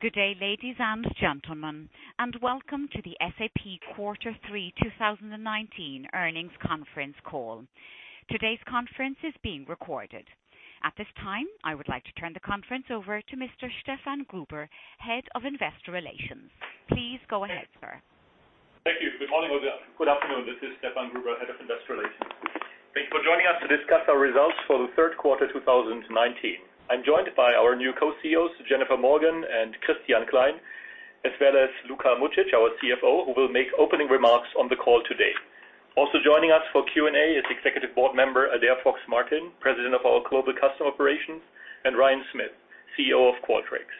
Good day, ladies and gentlemen, and welcome to the SAP Quarter Three 2019 Earnings Conference Call. Today's conference is being recorded. At this time, I would like to turn the conference over to Mr. Stefan Gruber, Head of Investor Relations. Please go ahead, sir. Thank you. Good morning, or good afternoon. This is Stefan Gruber, Head of Investor Relations. Thank you for joining us to discuss our results for the third quarter 2019. I am joined by our new co-CEOs, Jennifer Morgan and Christian Klein, as well as Luka Mucic, our CFO, who will make opening remarks on the call today. Also joining us for Q&A is executive board member, Adaire Fox-Martin, President of our Global Customer Operations, and Ryan Smith, CEO of Qualtrics.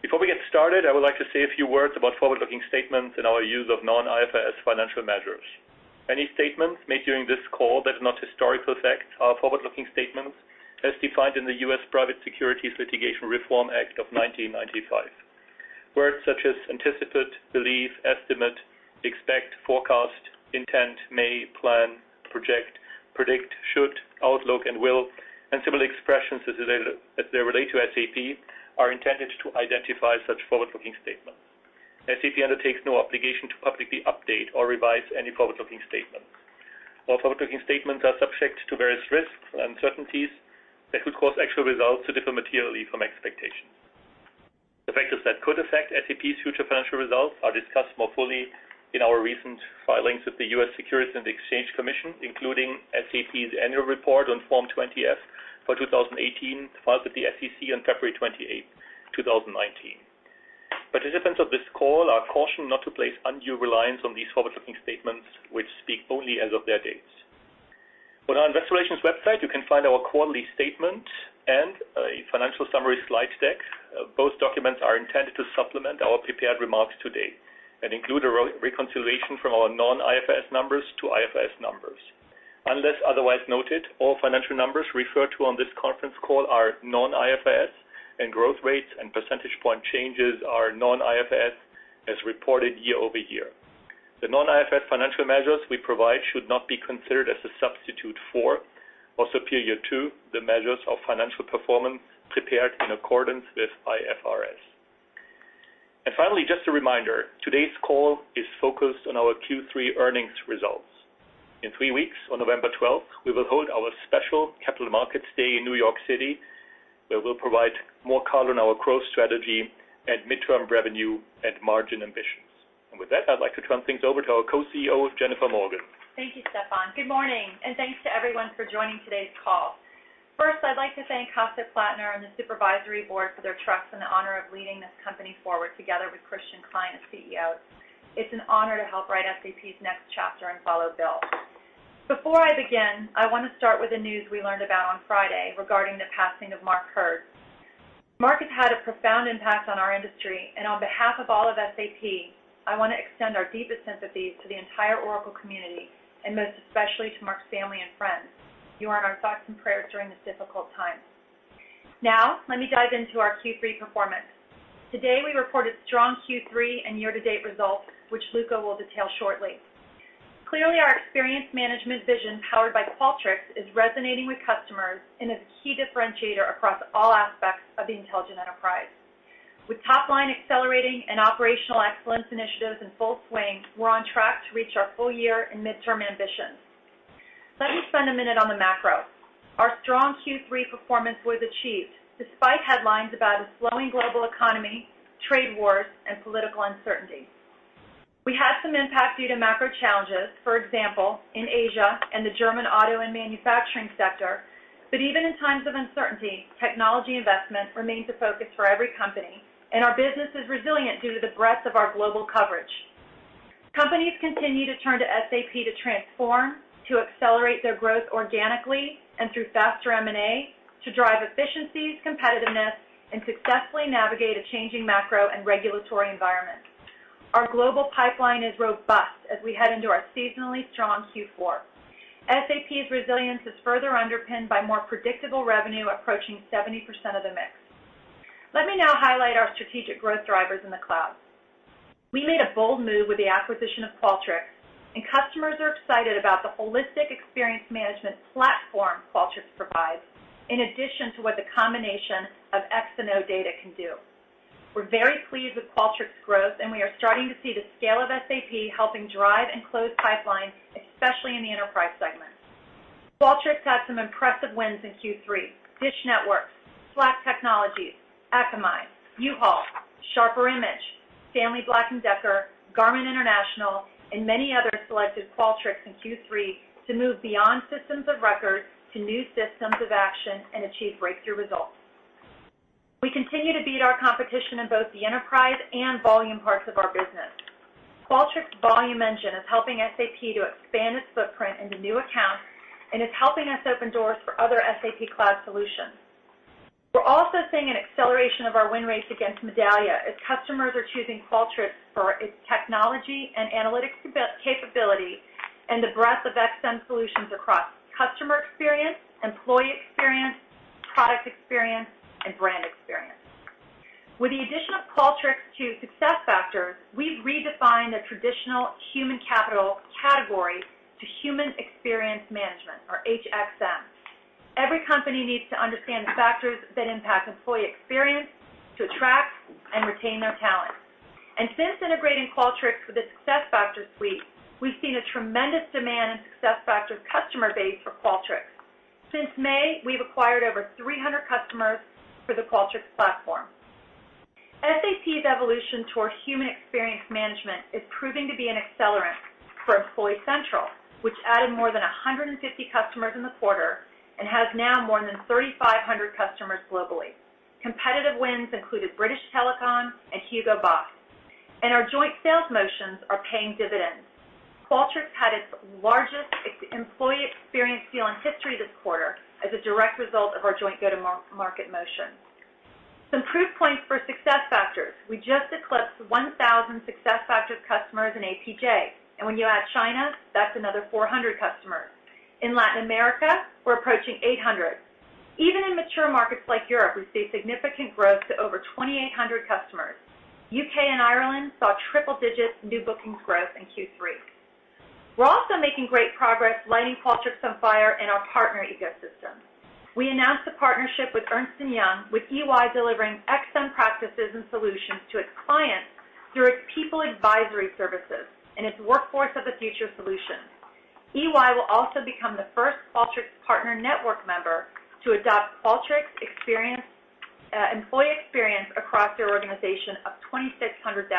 Before we get started, I would like to say a few words about forward-looking statements and our use of non-IFRS financial measures. Any statements made during this call that are not historical fact are forward-looking statements as defined in the U.S. Private Securities Litigation Reform Act of 1995. Words such as anticipated, believe, estimate, expect, forecast, intent, may, plan, project, predict, should, outlook, and will, and similar expressions as they relate to SAP, are intended to identify such forward-looking statements. SAP undertakes no obligation to publicly update or revise any forward-looking statements. All forward-looking statements are subject to various risks and uncertainties that could cause actual results to differ materially from expectations. The factors that could affect SAP's future financial results are discussed more fully in our recent filings with the U.S. Securities and Exchange Commission, including SAP's annual report on Form 20-F for 2018, filed with the SEC on February 28, 2019. Participants of this call are cautioned not to place undue reliance on these forward-looking statements, which speak only as of their dates. On our Investor Relations website, you can find our quarterly statement and a financial summary slide deck. Both documents are intended to supplement our prepared remarks today and include a reconciliation from our non-IFRS numbers to IFRS numbers. Unless otherwise noted, all financial numbers referred to on this conference call are non-IFRS, and growth rates and percentage point changes are non-IFRS as reported year-over-year. The non-IFRS financial measures we provide should not be considered as a substitute for, or superior to, the measures of financial performance prepared in accordance with IFRS. Finally, just a reminder, today's call is focused on our Q3 earnings results. In three weeks, on November 12th, we will hold our special Capital Markets Day in New York City, where we'll provide more color on our growth strategy and midterm revenue and margin ambitions. With that, I'd like to turn things over to our Co-CEO, Jennifer Morgan. Thank you, Stefan. Good morning, thanks to everyone for joining today's call. First, I'd like to thank Hasso Plattner and the SAP Supervisory Board for their trust and the honor of leading this company forward together with Christian Klein as CEO. It's an honor to help write SAP's next chapter and follow Bill. Before I begin, I want to start with the news we learned about on Friday regarding the passing of Mark Hurd. Mark has had a profound impact on our industry, and on behalf of all of SAP, I want to extend our deepest sympathies to the entire Oracle community, and most especially to Mark's family and friends. You are in our thoughts and prayers during this difficult time. Let me dive into our Q3 performance. Today, we reported strong Q3 and year-to-date results, which Luka will detail shortly. Clearly, our experience management vision powered by Qualtrics is resonating with customers and is a key differentiator across all aspects of the intelligent enterprise. With top line accelerating and operational excellence initiatives in full swing, we're on track to reach our full year and midterm ambitions. Let me spend a minute on the macro. Our strong Q3 performance was achieved despite headlines about a slowing global economy, trade wars, and political uncertainty. We had some impact due to macro challenges, for example, in Asia and the German auto and manufacturing sector. Even in times of uncertainty, technology investment remains a focus for every company, and our business is resilient due to the breadth of our global coverage. Companies continue to turn to SAP to transform, to accelerate their growth organically and through faster M&A, to drive efficiencies, competitiveness, and successfully navigate a changing macro and regulatory environment. Our global pipeline is robust as we head into our seasonally strong Q4. SAP's resilience is further underpinned by more predictable revenue approaching 70% of the mix. Let me now highlight our strategic growth drivers in the cloud. We made a bold move with the acquisition of Qualtrics, and customers are excited about the holistic experience management platform Qualtrics provides, in addition to what the combination of X and O data can do. We're very pleased with Qualtrics growth, and we are starting to see the scale of SAP helping drive and close pipeline, especially in the enterprise segment. Qualtrics had some impressive wins in Q3. Dish Network, Slack Technologies, Akamai, U-Haul, Sharper Image, Stanley Black & Decker, Garmin International, and many others selected Qualtrics in Q3 to move beyond systems of record to new systems of action and achieve breakthrough results. We continue to beat our competition in both the enterprise and volume parts of our business. Qualtrics volume engine is helping SAP to expand its footprint into new accounts and is helping us open doors for other SAP cloud solutions. We're also seeing an acceleration of our win rates against Medallia as customers are choosing Qualtrics for its technology and analytics capability and the breadth of XM solutions across customer experience, employee experience, product experience, and brand experience. With Qualtrics to SuccessFactors, we've redefined the traditional human capital category to human experience management or HXM. Every company needs to understand the factors that impact employee experience to attract and retain their talent. Since integrating Qualtrics with the SuccessFactors suite, we've seen a tremendous demand in SuccessFactors customer base for Qualtrics. Since May, we've acquired over 300 customers for the Qualtrics platform. SAP's evolution towards human experience management is proving to be an accelerant for Employee Central, which added more than 150 customers in the quarter and has now more than 3,500 customers globally. Competitive wins included British Telecom and Hugo Boss, and our joint sales motions are paying dividends. Qualtrics had its largest employee experience deal in history this quarter as a direct result of our joint go-to-market motion. Some proof points for SuccessFactors. We just eclipsed 1,000 SuccessFactors customers in APJ, and when you add China, that's another 400 customers. In Latin America, we're approaching 800. Even in mature markets like Europe, we see significant growth to over 2,800 customers. U.K. and Ireland saw triple digit new bookings growth in Q3. We're also making great progress lighting Qualtrics on fire in our partner ecosystem. We announced a partnership with Ernst & Young, with EY delivering XM practices and solutions to its clients through its people advisory services and its Workforce of the Future solution. EY will also become the first Qualtrics partner network member to adopt Qualtrics employee experience across their organization of 260,000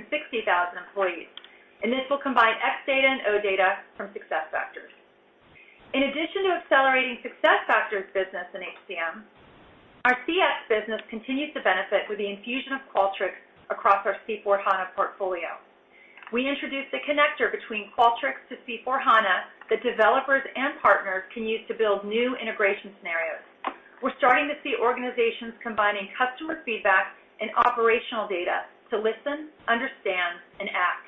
employees. This will combine X Data and O Data from SuccessFactors. In addition to accelerating SuccessFactors business in HCM, our CX business continues to benefit with the infusion of Qualtrics across our C/4HANA portfolio. We introduced a connector between Qualtrics to C/4HANA that developers and partners can use to build new integration scenarios. We're starting to see organizations combining customer feedback and Operational Data to listen, understand, and act.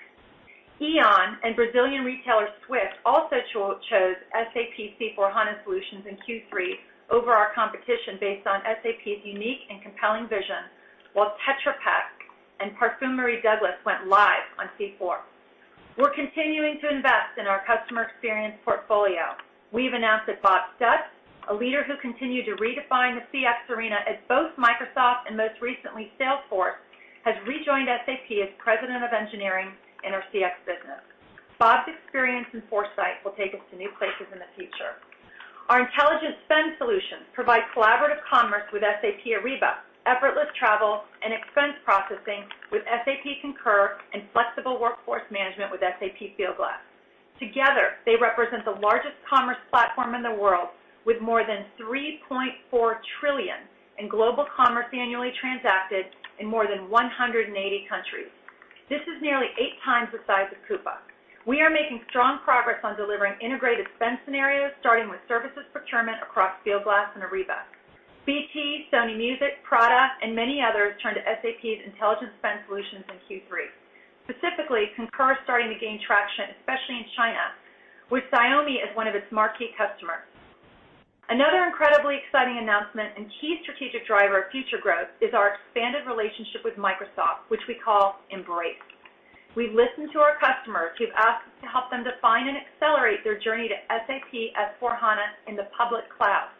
E.ON and Brazilian retailer Swift also chose SAP C/4HANA solutions in Q3 over our competition based on SAP's unique and compelling vision, while Tetra Pak and Parfümerie Douglas went live on C/4. We're continuing to invest in our customer experience portfolio. We've announced that Bob Stutz, a leader who continued to redefine the CX arena at both Microsoft and most recently Salesforce, has rejoined SAP as President of Engineering in our CX business. Bob's experience and foresight will take us to new places in the future. Our intelligent spend solutions provide collaborative commerce with SAP Ariba, effortless travel and expense processing with SAP Concur, and flexible workforce management with SAP Fieldglass. Together, they represent the largest commerce platform in the world with more than 3.4 trillion in global commerce annually transacted in more than 180 countries. This is nearly eight times the size of Coupa. We are making strong progress on delivering integrated spend scenarios, starting with services procurement across Fieldglass and Ariba. BT, Sony Music, Prada, and many others turn to SAP's intelligence spend solutions in Q3. Specifically, Concur is starting to gain traction, especially in China, with Xiaomi as one of its marquee customers. Another incredibly exciting announcement and key strategic driver of future growth is our expanded relationship with Microsoft, which we call Embrace. We've listened to our customers who've asked us to help them define and accelerate their journey to SAP S/4HANA in the public cloud.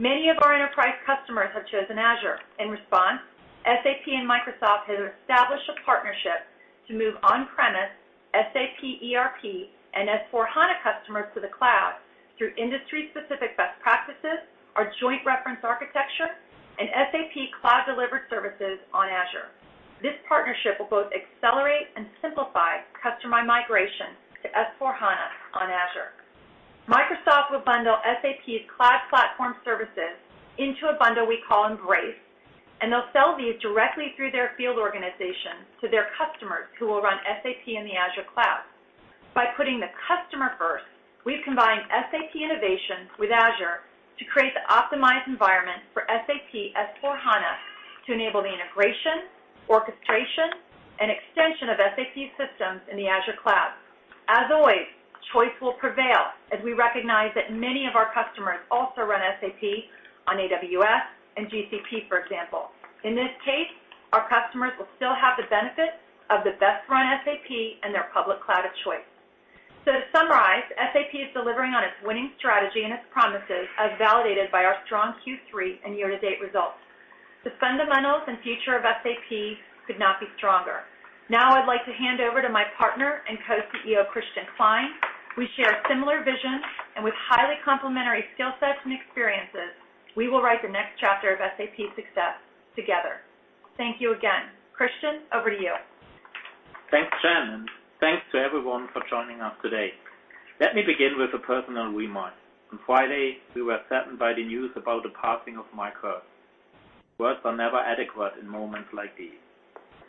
Many of our enterprise customers have chosen Azure. In response, SAP and Microsoft have established a partnership to move on-premise SAP ERP and S/4HANA customers to the cloud through industry-specific best practices, our joint reference architecture, and SAP cloud-delivered services on Azure. This partnership will both accelerate and simplify customer migration to S/4HANA on Azure. Microsoft will bundle SAP's cloud platform services into a bundle we call Embrace, they'll sell these directly through their field organization to their customers who will run SAP in the Azure cloud. By putting the customer first, we've combined SAP innovation with Azure to create the optimized environment for SAP S/4HANA to enable the integration, orchestration, and extension of SAP systems in the Azure cloud. As always, choice will prevail as we recognize that many of our customers also run SAP on AWS and GCP, for example. In this case, our customers will still have the benefit of the best run SAP and their public cloud of choice. To summarize, SAP is delivering on its winning strategy and its promises as validated by our strong Q3 and year-to-date results. The fundamentals and future of SAP could not be stronger. Now, I'd like to hand over to my partner and Co-CEO, Christian Klein. We share a similar vision. With highly complementary skill sets and experiences, we will write the next chapter of SAP success together. Thank you again. Christian, over to you. Thanks, Jennifer. Thanks to everyone for joining us today. Let me begin with a personal remark. On Friday, we were saddened by the news about the passing of Mark Hurd. Words are never adequate in moments like these.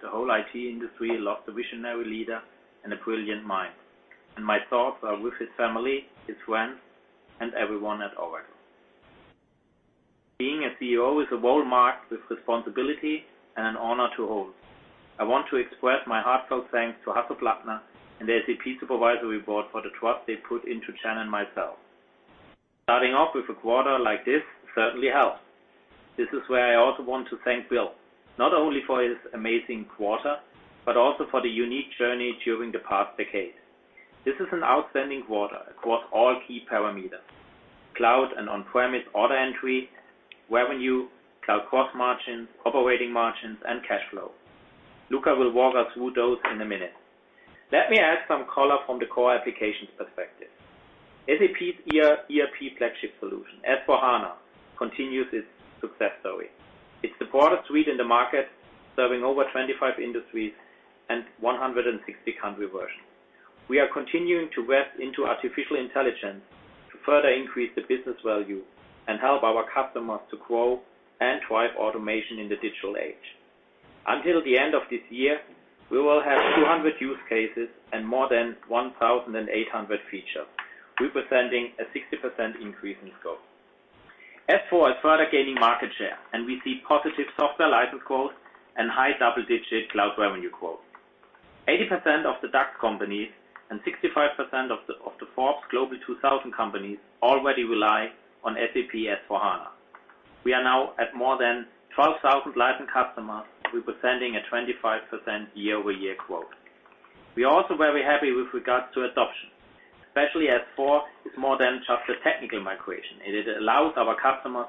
The whole IT industry lost a visionary leader and a brilliant mind. My thoughts are with his family, his friends, and everyone at Oracle Corporation. Being a CEO is a role marked with responsibility and an honor to hold. I want to express my heartfelt thanks to Hasso Plattner and the SAP Supervisory Board for the trust they put into Jennifer and myself. Starting off with a quarter like this certainly helps. This is where I also want to thank Bill, not only for his amazing quarter, but also for the unique journey during the past decade. This is an outstanding quarter across all key parameters, cloud and on-premise order entry, revenue, cloud cost margins, operating margins, and cash flow. Luka will walk us through those in a minute. Let me add some color from the core applications perspective. SAP's ERP flagship solution, S/4HANA, continues its success story. It's the broadest suite in the market, serving over 25 industries and 160 country versions. We are continuing to invest into artificial intelligence to further increase the business value and help our customers to grow and drive automation in the digital age. Until the end of this year, we will have 200 use cases and more than 1,800 features, representing a 60% increase in scope. S/4 is further gaining market share, and we see positive software license growth and high double-digit cloud revenue growth. 80% of the DAX companies and 65% of the Forbes Global 2000 companies already rely on SAP S/4HANA. We are now at more than 12,000 licensed customers, representing a 25% year-over-year growth. We are also very happy with regards to adoption, especially S/4 is more than just a technical migration. It allows our customers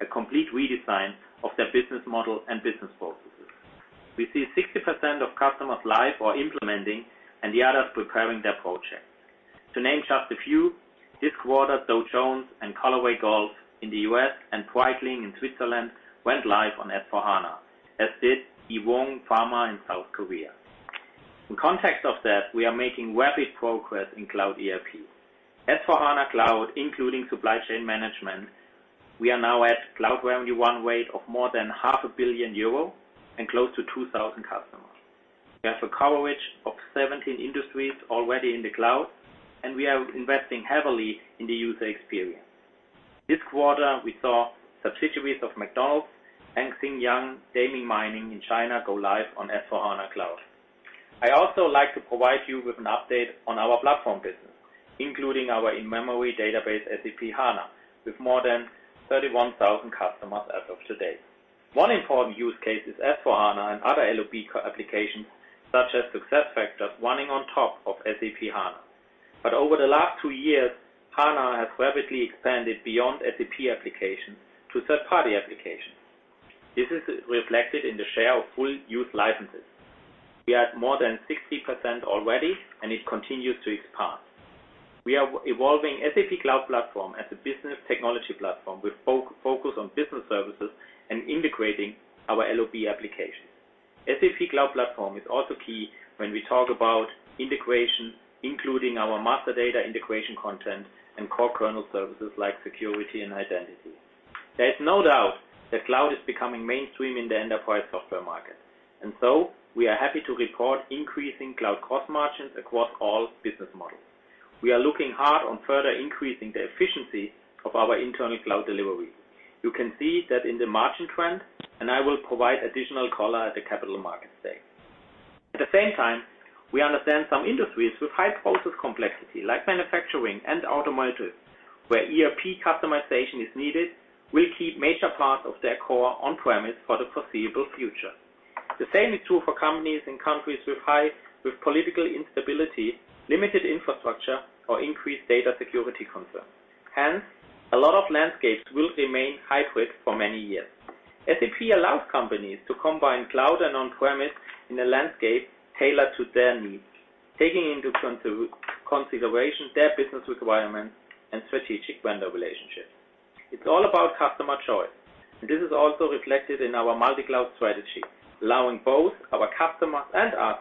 a complete redesign of their business model and business processes. We see 60% of customers live or implementing, and the others preparing their projects. To name just a few, this quarter, Dow Jones and Callaway Golf in the U.S. and Breitling in Switzerland went live on S/4HANA, as did Woongjin in South Korea. In context of that, we are making rapid progress in cloud ERP. S/4HANA Cloud, including supply chain management, we are now at cloud revenue run rate of more than half a billion EUR and close to 2,000 customers. We have a coverage of 17 industries already in the cloud, and we are investing heavily in the user experience. This quarter, we saw subsidiaries of McDonald's and Xinjiang Daming Mining in China go live on S/4HANA Cloud. I also like to provide you with an update on our platform business, including our in-memory database, SAP HANA, with more than 31,000 customers as of today. One important use case is S/4HANA and other LOB core applications such as SuccessFactors running on top of SAP HANA. Over the last two years, HANA has rapidly expanded beyond SAP applications to third-party applications. This is reflected in the share of full use licenses. We are at more than 60% already, and it continues to expand. We are evolving SAP Cloud Platform as a business technology platform with focus on business services and integrating our LOB applications. SAP Cloud Platform is also key when we talk about integration, including our master data integration content and core kernel services like security and identity. There is no doubt that cloud is becoming mainstream in the enterprise software market, we are happy to report increasing cloud cost margins across all business models. We are looking hard on further increasing the efficiency of our internal cloud delivery. You can see that in the margin trend, I will provide additional color at the Capital Markets Day. At the same time, we understand some industries with high process complexity, like manufacturing and automotive, where ERP customization is needed, will keep major parts of their core on-premise for the foreseeable future. The same is true for companies in countries with political instability, limited infrastructure, or increased data security concerns. Hence, a lot of landscapes will remain hybrid for many years. SAP allows companies to combine cloud and on-premise in a landscape tailored to their needs, taking into consideration their business requirements and strategic vendor relationships. It's all about customer choice, and this is also reflected in our multi-cloud strategy, allowing both our customers and us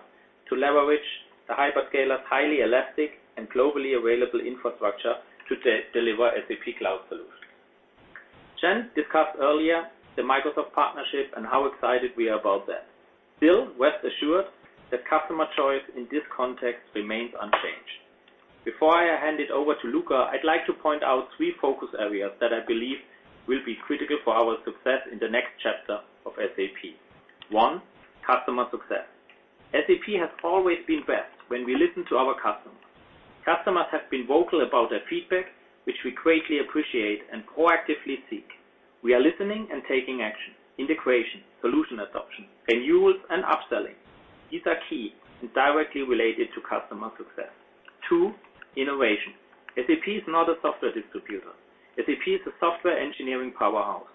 to leverage the hyperscalers' highly elastic and globally available infrastructure to deliver SAP cloud solutions. Jen discussed earlier the Microsoft partnership and how excited we are about that. Still, rest assured that customer choice in this context remains unchanged. Before I hand it over to Luka, I'd like to point out three focus areas that I believe will be critical for our success in the next chapter of SAP. One, customer success. SAP has always been best when we listen to our customers. Customers have been vocal about their feedback, which we greatly appreciate and proactively seek. We are listening and taking action. Integration, solution adoption, renewals, and upselling. These are key and directly related to customer success. 2, innovation. SAP is not a software distributor. SAP is a software engineering powerhouse.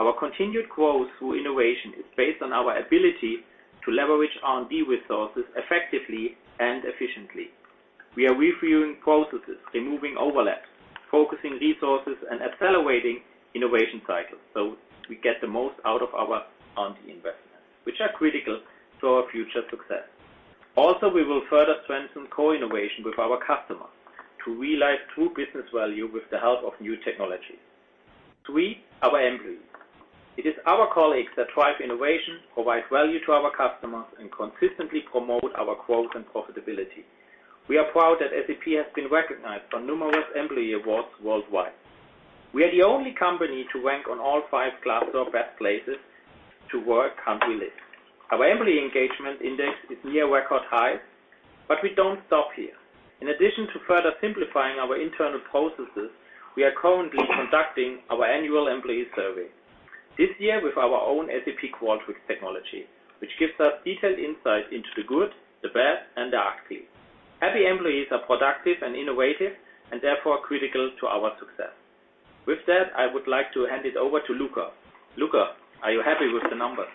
Our continued growth through innovation is based on our ability to leverage R&D resources effectively and efficiently. We are reviewing processes, removing overlaps, focusing resources, and accelerating innovation cycles so we get the most out of our R&D investments, which are critical to our future success. We will further strengthen co-innovation with our customers to realize true business value with the help of new technology. 3, our employees. It is our colleagues that drive innovation, provide value to our customers, and consistently promote our growth and profitability. We are proud that SAP has been recognized for numerous employee awards worldwide. We are the only company to rank on all five Glassdoor best places to work country lists. Our employee engagement index is near record highs. We don't stop here. In addition to further simplifying our internal processes, we are currently conducting our annual employee survey. This year with our own SAP Qualtrics technology, which gives us detailed insights into the good, the bad, and the ugly. Happy employees are productive and innovative, and therefore critical to our success. With that, I would like to hand it over to Luka. Luka, are you happy with the numbers?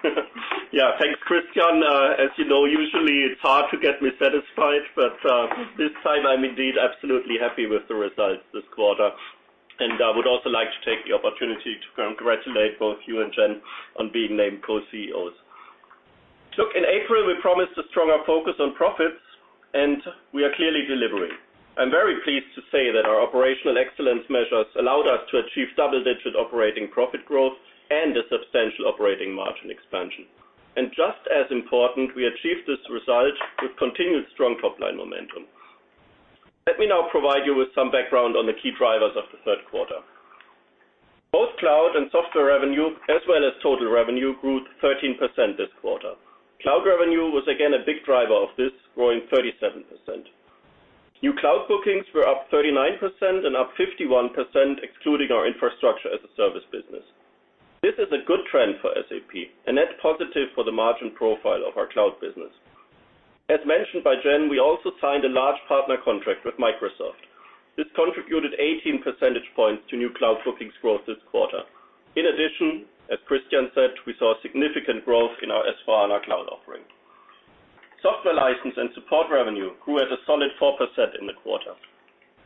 Yeah. Thanks, Christian. As you know, usually it's hard to get me satisfied, but this time I'm indeed absolutely happy with the results this quarter, and I would also like to take the opportunity to congratulate both you and Jen on being named co-CEOs. Look, in April, we promised a stronger focus on profits, and we are clearly delivering. I'm very pleased to say that our operational excellence measures allowed us to achieve double-digit operating profit growth and a substantial operating margin expansion. Just as important, we achieved this result with continued strong top-line momentum. Let me now provide you with some background on the key drivers of the third quarter. Both cloud and software revenue, as well as total revenue, grew 13% this quarter. Cloud revenue was again a big driver of this, growing 37%. New cloud bookings were up 39% and up 51%, excluding our infrastructure as a service business. This is a good trend for SAP, a net positive for the margin profile of our cloud business. As mentioned by Jennifer, we also signed a large partner contract with Microsoft. This contributed 18 percentage points to new cloud bookings growth this quarter. In addition, as Christian said, we saw significant growth in our SAP S/4HANA Cloud offering. Software license and support revenue grew at a solid 4% in the quarter.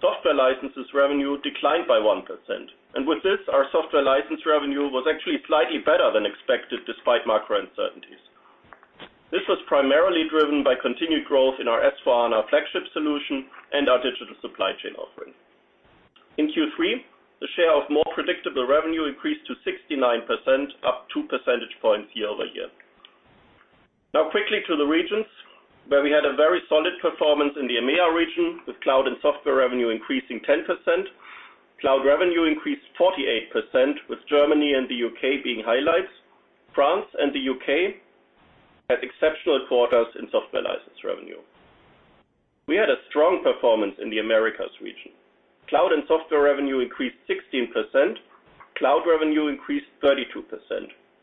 Software licenses revenue declined by 1%, and with this, our software license revenue was actually slightly better than expected, despite macro uncertainties. This was primarily driven by continued growth in our SAP S/4HANA flagship solution and our digital supply chain offering. In Q3, the share of more predictable revenue increased to 69%, up two percentage points year-over-year. Quickly to the regions, where we had a very solid performance in the EMEA region, with cloud and software revenue increasing 10%. Cloud revenue increased 48%, with Germany and the U.K. being highlights. France and the U.K. had exceptional quarters in software license revenue. We had a strong performance in the Americas region. Cloud and software revenue increased 16%. Cloud revenue increased 32%,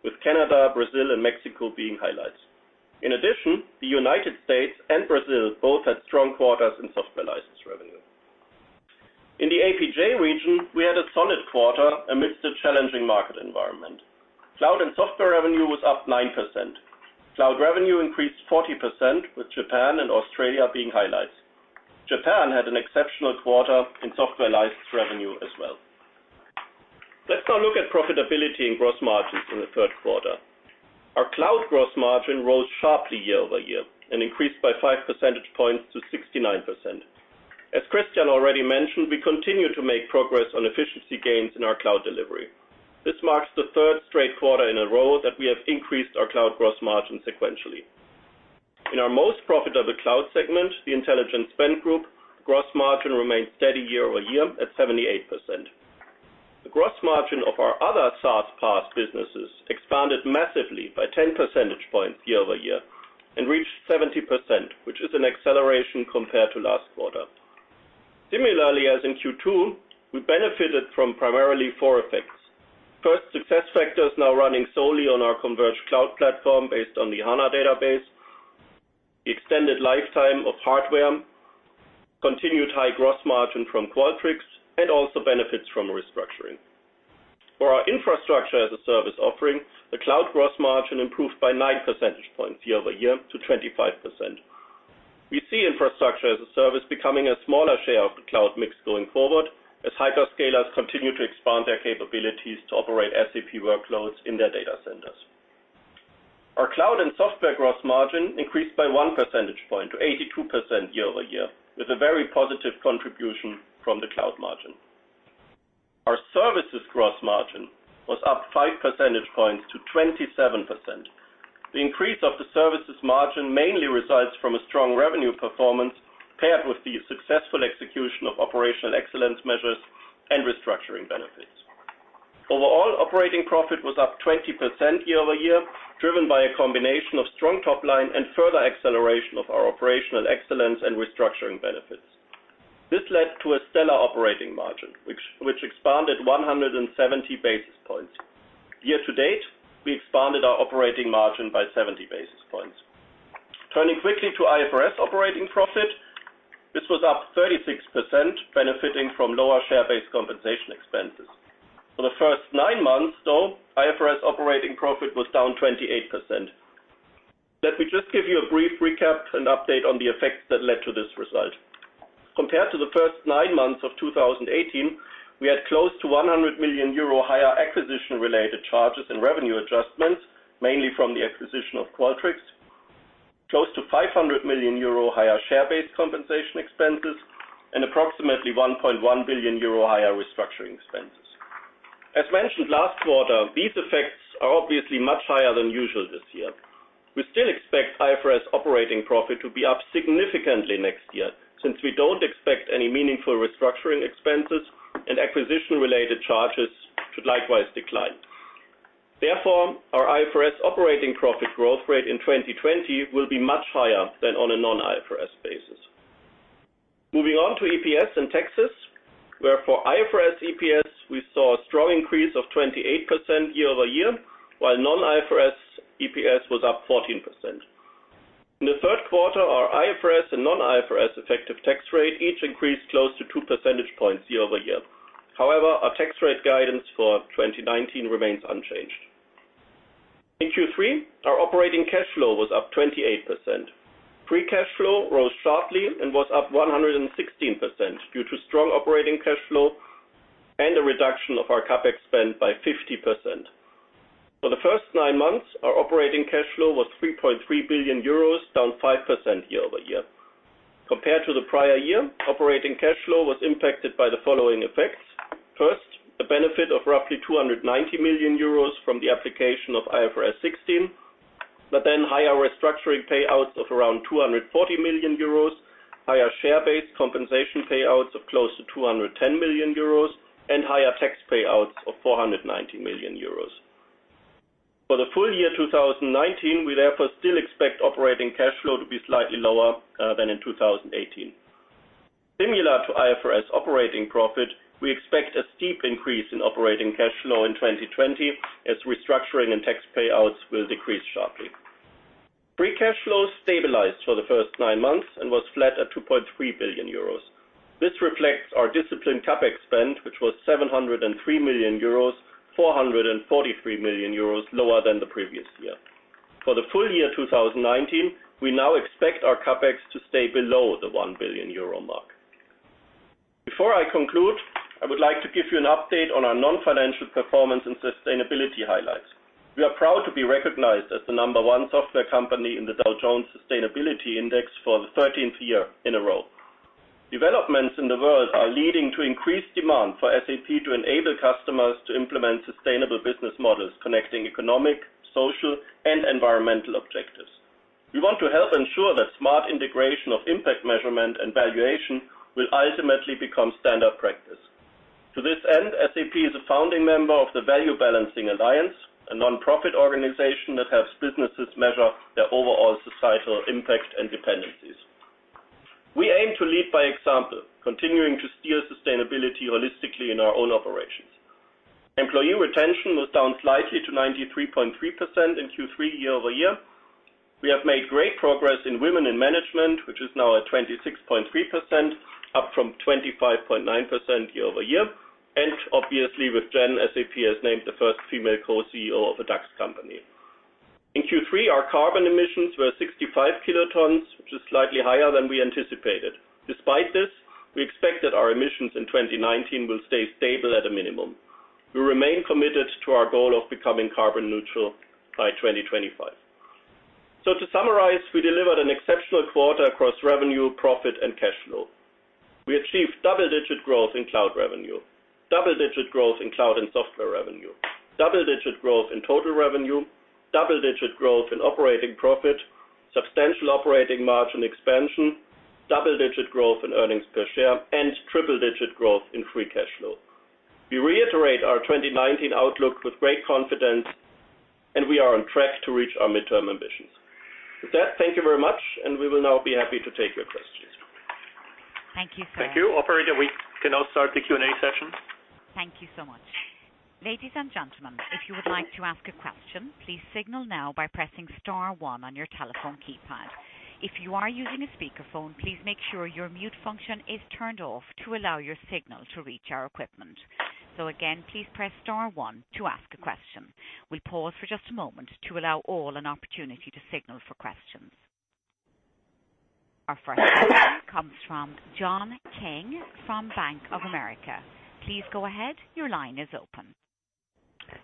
with Canada, Brazil, and Mexico being highlights. The U.S. and Brazil both had strong quarters in software license revenue. The APJ region, we had a solid quarter amidst a challenging market environment. Cloud and software revenue was up 9%. Cloud revenue increased 40%, with Japan and Australia being highlights. Japan had an exceptional quarter in software license revenue as well. Let's now look at profitability and gross margins in the third quarter. Our cloud gross margin rose sharply year-over-year and increased by 5 percentage points to 69%. As Christian already mentioned, we continue to make progress on efficiency gains in our cloud delivery. This marks the third straight quarter in a row that we have increased our cloud gross margin sequentially. In our most profitable cloud segment, the intelligent spend group, gross margin remained steady year-over-year at 78%. The gross margin of our other SaaS PaaS businesses expanded massively by 10 percentage points year-over-year and reached 70%, which is an acceleration compared to last quarter. Similarly, as in Q2, we benefited from primarily four effects. First, SAP SuccessFactors now running solely on our converged cloud platform based on the SAP HANA database, the extended lifetime of hardware, continued high gross margin from Qualtrics, and also benefits from restructuring. For our Infrastructure as a Service offering, the cloud gross margin improved by nine percentage points year-over-year to 25%. We see Infrastructure as a Service becoming a smaller share of the cloud mix going forward, as hyperscalers continue to expand their capabilities to operate SAP workloads in their data centers. Our cloud and software gross margin increased by one percentage point to 82% year-over-year, with a very positive contribution from the cloud margin. Our services gross margin was up five percentage points to 27%. The increase of the services margin mainly resides from a strong revenue performance paired with the successful execution of operational excellence measures and restructuring benefits. Overall operating profit was up 20% year-over-year, driven by a combination of strong top line and further acceleration of our operational excellence and restructuring benefits. This led to a stellar operating margin, which expanded 170 basis points. Year to date, we expanded our operating margin by 70 basis points. Turning quickly to IFRS operating profit, this was up 36%, benefiting from lower share-based compensation expenses. For the first nine months though, IFRS operating profit was down 28%. Let me just give you a brief recap and update on the effects that led to this result. Compared to the first nine months of 2018, we had close to 100 million euro higher acquisition-related charges and revenue adjustments, mainly from the acquisition of Qualtrics, close to 500 million euro higher share-based compensation expenses, and approximately 1.1 billion euro higher restructuring expenses. As mentioned last quarter, these effects are obviously much higher than usual this year. We still expect IFRS operating profit to be up significantly next year, since we don't expect any meaningful restructuring expenses and acquisition-related charges should likewise decline. Our IFRS operating profit growth rate in 2020 will be much higher than on a non-IFRS basis. Moving on to EPS and taxes, where for IFRS EPS, we saw a strong increase of 28% year-over-year, while non-IFRS EPS was up 14%. In the third quarter, our IFRS and non-IFRS effective tax rate each increased close to two percentage points year-over-year. Our tax rate guidance for 2019 remains unchanged. In Q3, our operating cash flow was up 28%. Free cash flow rose sharply and was up 116% due to strong operating cash flow and a reduction of our CapEx spend by 50%. For the first nine months, our operating cash flow was €3.3 billion, down 5% year-over-year. Compared to the prior year, operating cash flow was impacted by the following effects. First, the benefit of roughly 290 million euros from the application of IFRS 16, but then higher restructuring payouts of around 240 million euros, higher share-based compensation payouts of close to 210 million euros, and higher tax payouts of 490 million euros. For the full year 2019, we still expect operating cash flow to be slightly lower than in 2018. Similar to IFRS operating profit, we expect a steep increase in operating cash flow in 2020 as restructuring and tax payouts will decrease sharply. Free cash flow stabilized for the first nine months and was flat at 2.3 billion euros. This reflects our disciplined CapEx spend, which was 703 million euros, 443 million euros lower than the previous year. For the full year 2019, we now expect our CapEx to stay below the 1 billion euro mark. Before I conclude, I would like to give you an update on our non-financial performance and sustainability highlights. We are proud to be recognized as the number one software company in the Dow Jones Sustainability Index for the 13th year in a row. Developments in the world are leading to increased demand for SAP to enable customers to implement sustainable business models connecting economic, social, and environmental objectives. We want to help ensure that smart integration of impact measurement and valuation will ultimately become standard practice. To this end, SAP is a founding member of the Value Balancing Alliance, a non-profit organization that helps businesses measure their overall societal impact and dependencies. We aim to lead by example, continuing to steer sustainability holistically in our own operations. Employee retention was down slightly to 93.3% in Q3 year-over-year. We have made great progress in women in management, which is now at 26.3%, up from 25.9% year-over-year. Obviously with Jen, SAP has named the first female co-CEO of a DAX company. In Q3, our carbon emissions were 65 kilotons, which is slightly higher than we anticipated. Despite this, we expect that our emissions in 2019 will stay stable at a minimum. We remain committed to our goal of becoming carbon neutral by 2025. To summarize, we delivered an exceptional quarter across revenue, profit, and cash flow. We achieved double-digit growth in cloud revenue, double-digit growth in cloud and software revenue, double-digit growth in total revenue, double-digit growth in operating profit, substantial operating margin expansion, double-digit growth in earnings per share, and triple-digit growth in free cash flow. We reiterate our 2019 outlook with great confidence, and we are on track to reach our midterm ambitions. With that, thank you very much. We will now be happy to take your questions. Thank you, sir. Thank you. Operator, we can now start the Q&A session. Thank you so much. Ladies and gentlemen, if you would like to ask a question, please signal now by pressing star 1 on your telephone keypad. If you are using a speakerphone, please make sure your mute function is turned off to allow your signal to reach our equipment. Again, please press star 1 to ask a question. We pause for just a moment to allow all an opportunity to signal for questions. Our first question comes from John King from Bank of America. Please go ahead. Your line is open.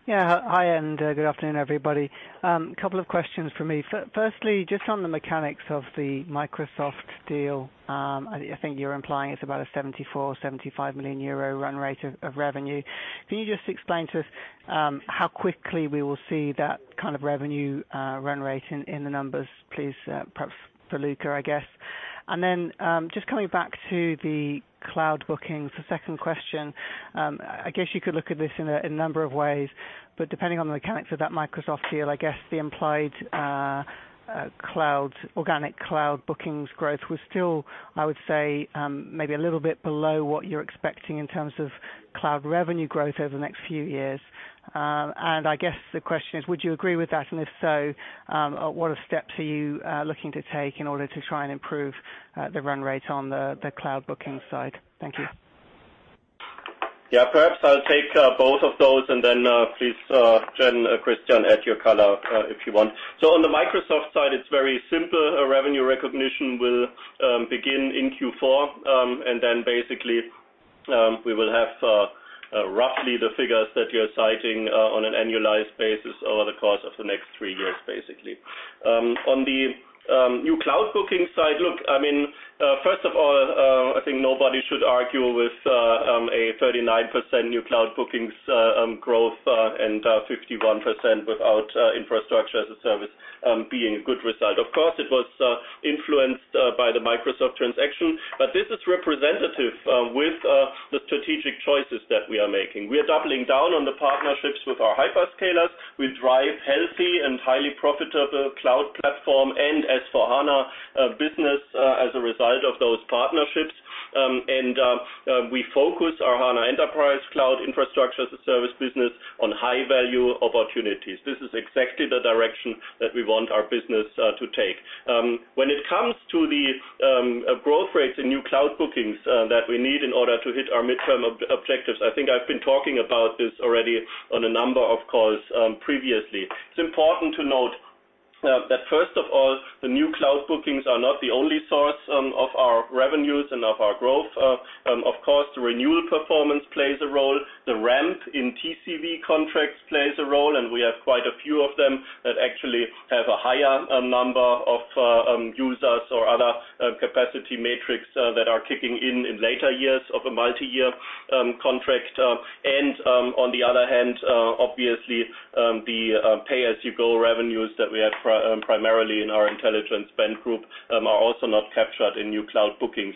Yeah. Hi, good afternoon, everybody. Couple of questions from me. Firstly, just on the mechanics of the Microsoft deal, I think you're implying it's about a 74 million, 75 million euro run rate of revenue. Can you just explain to us how quickly we will see that kind of revenue run rate in the numbers, please? Perhaps for Luka, I guess. Just coming back to the cloud bookings, the second question, I guess you could look at this in a number of ways, but depending on the mechanics of that Microsoft deal, I guess the implied organic cloud bookings growth was still, I would say, maybe a little bit below what you're expecting in terms of cloud revenue growth over the next few years. I guess the question is, would you agree with that? If so, what steps are you looking to take in order to try and improve the run rate on the cloud bookings side? Thank you. Perhaps I'll take both of those and then please, Jen, Christian, add your color if you want. On the Microsoft side, it's very simple. Revenue recognition will begin in Q4, and then basically, we will have roughly the figures that you're citing on an annualized basis over the course of the next three years, basically. On the new cloud bookings side, look, first of all, I think nobody should argue with a 39% new cloud bookings growth and 51% without Infrastructure as a Service, being a good result. Of course, it was influenced by the Microsoft transaction. This is representative with the strategic choices that we are making. We are doubling down on the partnerships with our hyperscalers. We drive healthy and highly profitable cloud platform and S/4HANA business as a result of those partnerships. We focus our HANA Enterprise Cloud infrastructure as a service business on high-value opportunities. This is exactly the direction that we want our business to take. When it comes to the growth rates in new cloud bookings that we need in order to hit our midterm objectives, I think I've been talking about this already on a number of calls previously. It's important to note that first of all, the new cloud bookings are not the only source of our revenues and of our growth. Of course, the renewal performance plays a role. The ramp in TCV contracts plays a role, and we have quite a few of them that actually have a higher number of users or other capacity metrics that are kicking in in later years of a multi-year contract. On the other hand, obviously, the pay-as-you-go revenues that we have primarily in our intelligence spend group are also not captured in new cloud bookings.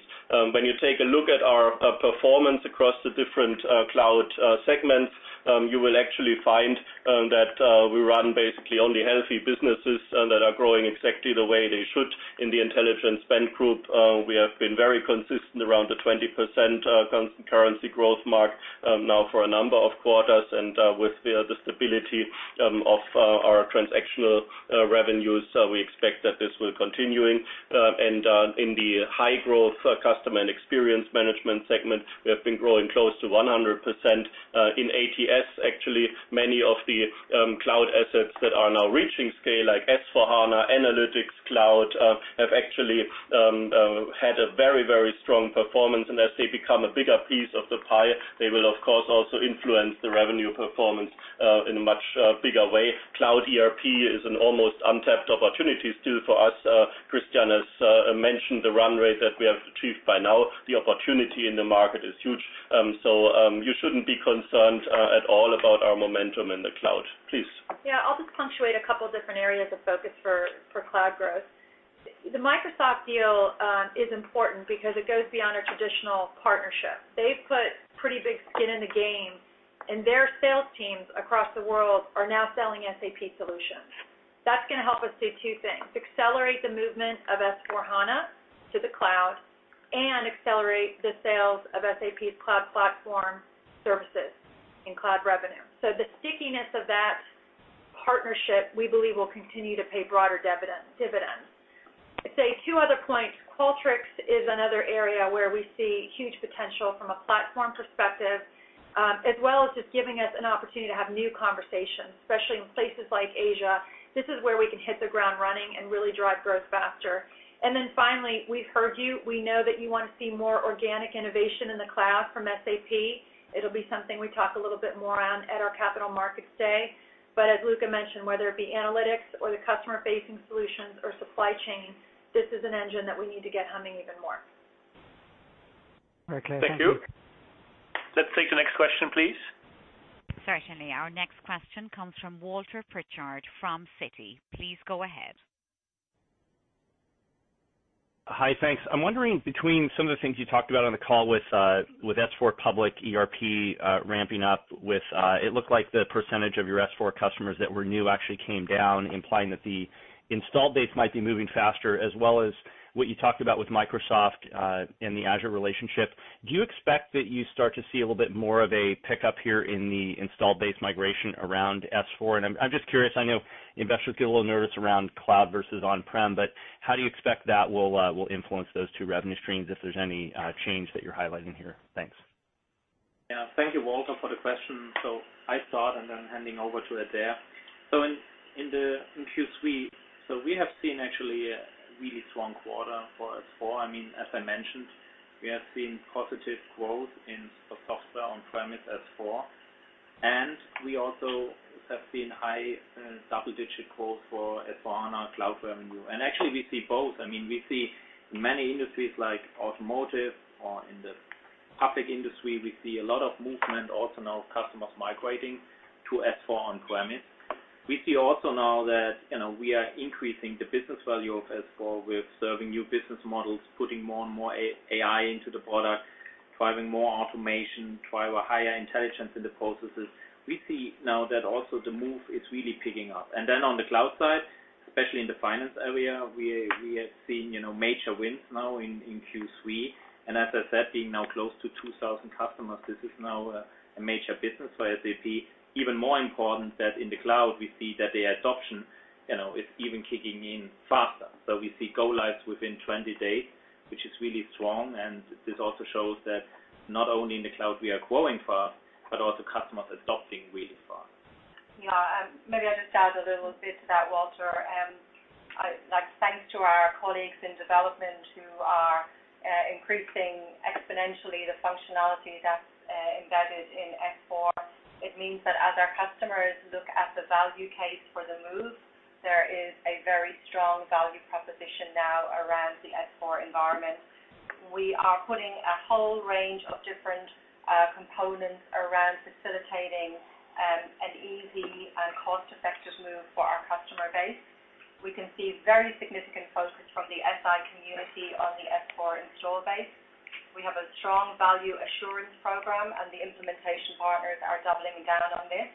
When you take a look at our performance across the different cloud segments, you will actually find that we run basically only healthy businesses that are growing exactly the way they should. In the intelligence spend group, we have been very consistent around the 20% currency growth mark now for a number of quarters. With the stability of our transactional revenues, we expect that this will continuing. In the high growth customer and experience management segment, we have been growing close to 100%. In ATS, actually, many of the cloud assets that are now reaching scale, like SAP S/4HANA, SAP Analytics Cloud, have actually had a very strong performance. As they become a bigger piece of the pie, they will, of course, also influence the revenue performance in a much bigger way. Cloud ERP is an almost untapped opportunity still for us. Christian has mentioned the run rate that we have achieved by now. The opportunity in the market is huge. You shouldn't be concerned at all about our momentum in the cloud. Please. Yeah. I'll just punctuate a couple different areas of focus for cloud growth. The Microsoft deal is important because it goes beyond a traditional partnership. They've put pretty big skin in the game, and their sales teams across the world are now selling SAP solutions. That's going to help us do two things, accelerate the movement of SAP S/4HANA to the cloud and accelerate the sales of SAP's SAP Cloud Platform services in cloud revenue. The stickiness of that partnership, we believe, will continue to pay broader dividends. I'd say two other points. Qualtrics is another area where we see huge potential from a platform perspective, as well as just giving us an opportunity to have new conversations, especially in places like Asia. This is where we can hit the ground running and really drive growth faster. Finally, we've heard you. We know that you want to see more organic innovation in the cloud from SAP. It'll be something we talk a little bit more on at our Capital Markets Day. As Luka mentioned, whether it be analytics or the customer-facing solutions or supply chain, this is an engine that we need to get humming even more. Very clear. Thank you. Thank you. Let's take the next question, please. Certainly. Our next question comes from Walter Pritchard from Citi. Please go ahead. Hi. Thanks. I'm wondering between some of the things you talked about on the call with S/4 public ERP ramping up with, it looked like the percentage of your S/4 customers that were new actually came down, implying that the install base might be moving faster, as well as what you talked about with Microsoft and the Azure relationship. Do you expect that you start to see a little bit more of a pickup here in the install base migration around S/4? I'm just curious, I know investors get a little nervous around cloud versus on-prem, but how do you expect that will influence those two revenue streams if there's any change that you're highlighting here? Thanks. Yeah. Thank you, Walter, for the question. I start and then handing over to Adaire. In Q3, so we have seen actually a really strong quarter for S/4. As I mentioned, we have seen positive growth in software on-premise S/4, and we also have seen high double-digit growth for S/4HANA Cloud revenue. Actually, we see both. We see many industries like automotive or in the public industry, we see a lot of movement also now of customers migrating to S/4 on-premise. We see also now that we are increasing the business value of S/4 with serving new business models, putting more and more AI into the product, driving more automation, drive a higher intelligence in the processes. We see now that also the move is really picking up. On the cloud side, especially in the finance area, we have seen major wins now in Q3. As I said, being now close to 2,000 customers, this is now a major business for SAP. Even more important that in the cloud, we see that the adoption is even kicking in faster. We see go lives within 20 days, which is really strong, and this also shows that not only in the cloud we are growing fast, but also customers adopting really fast. Maybe I'll just add a little bit to that, Walter. Thanks to our colleagues in development who are increasing exponentially the functionality that's embedded in S/4. It means that as our customers look at the value case for the move, there is a very strong value proposition now around the S/4 environment. We are putting a whole range of different components around facilitating an easy and cost-effective move for our customer base. We can see very significant focus from the SI community on the S/4 install base. We have a strong value assurance program, the implementation partners are doubling down on this.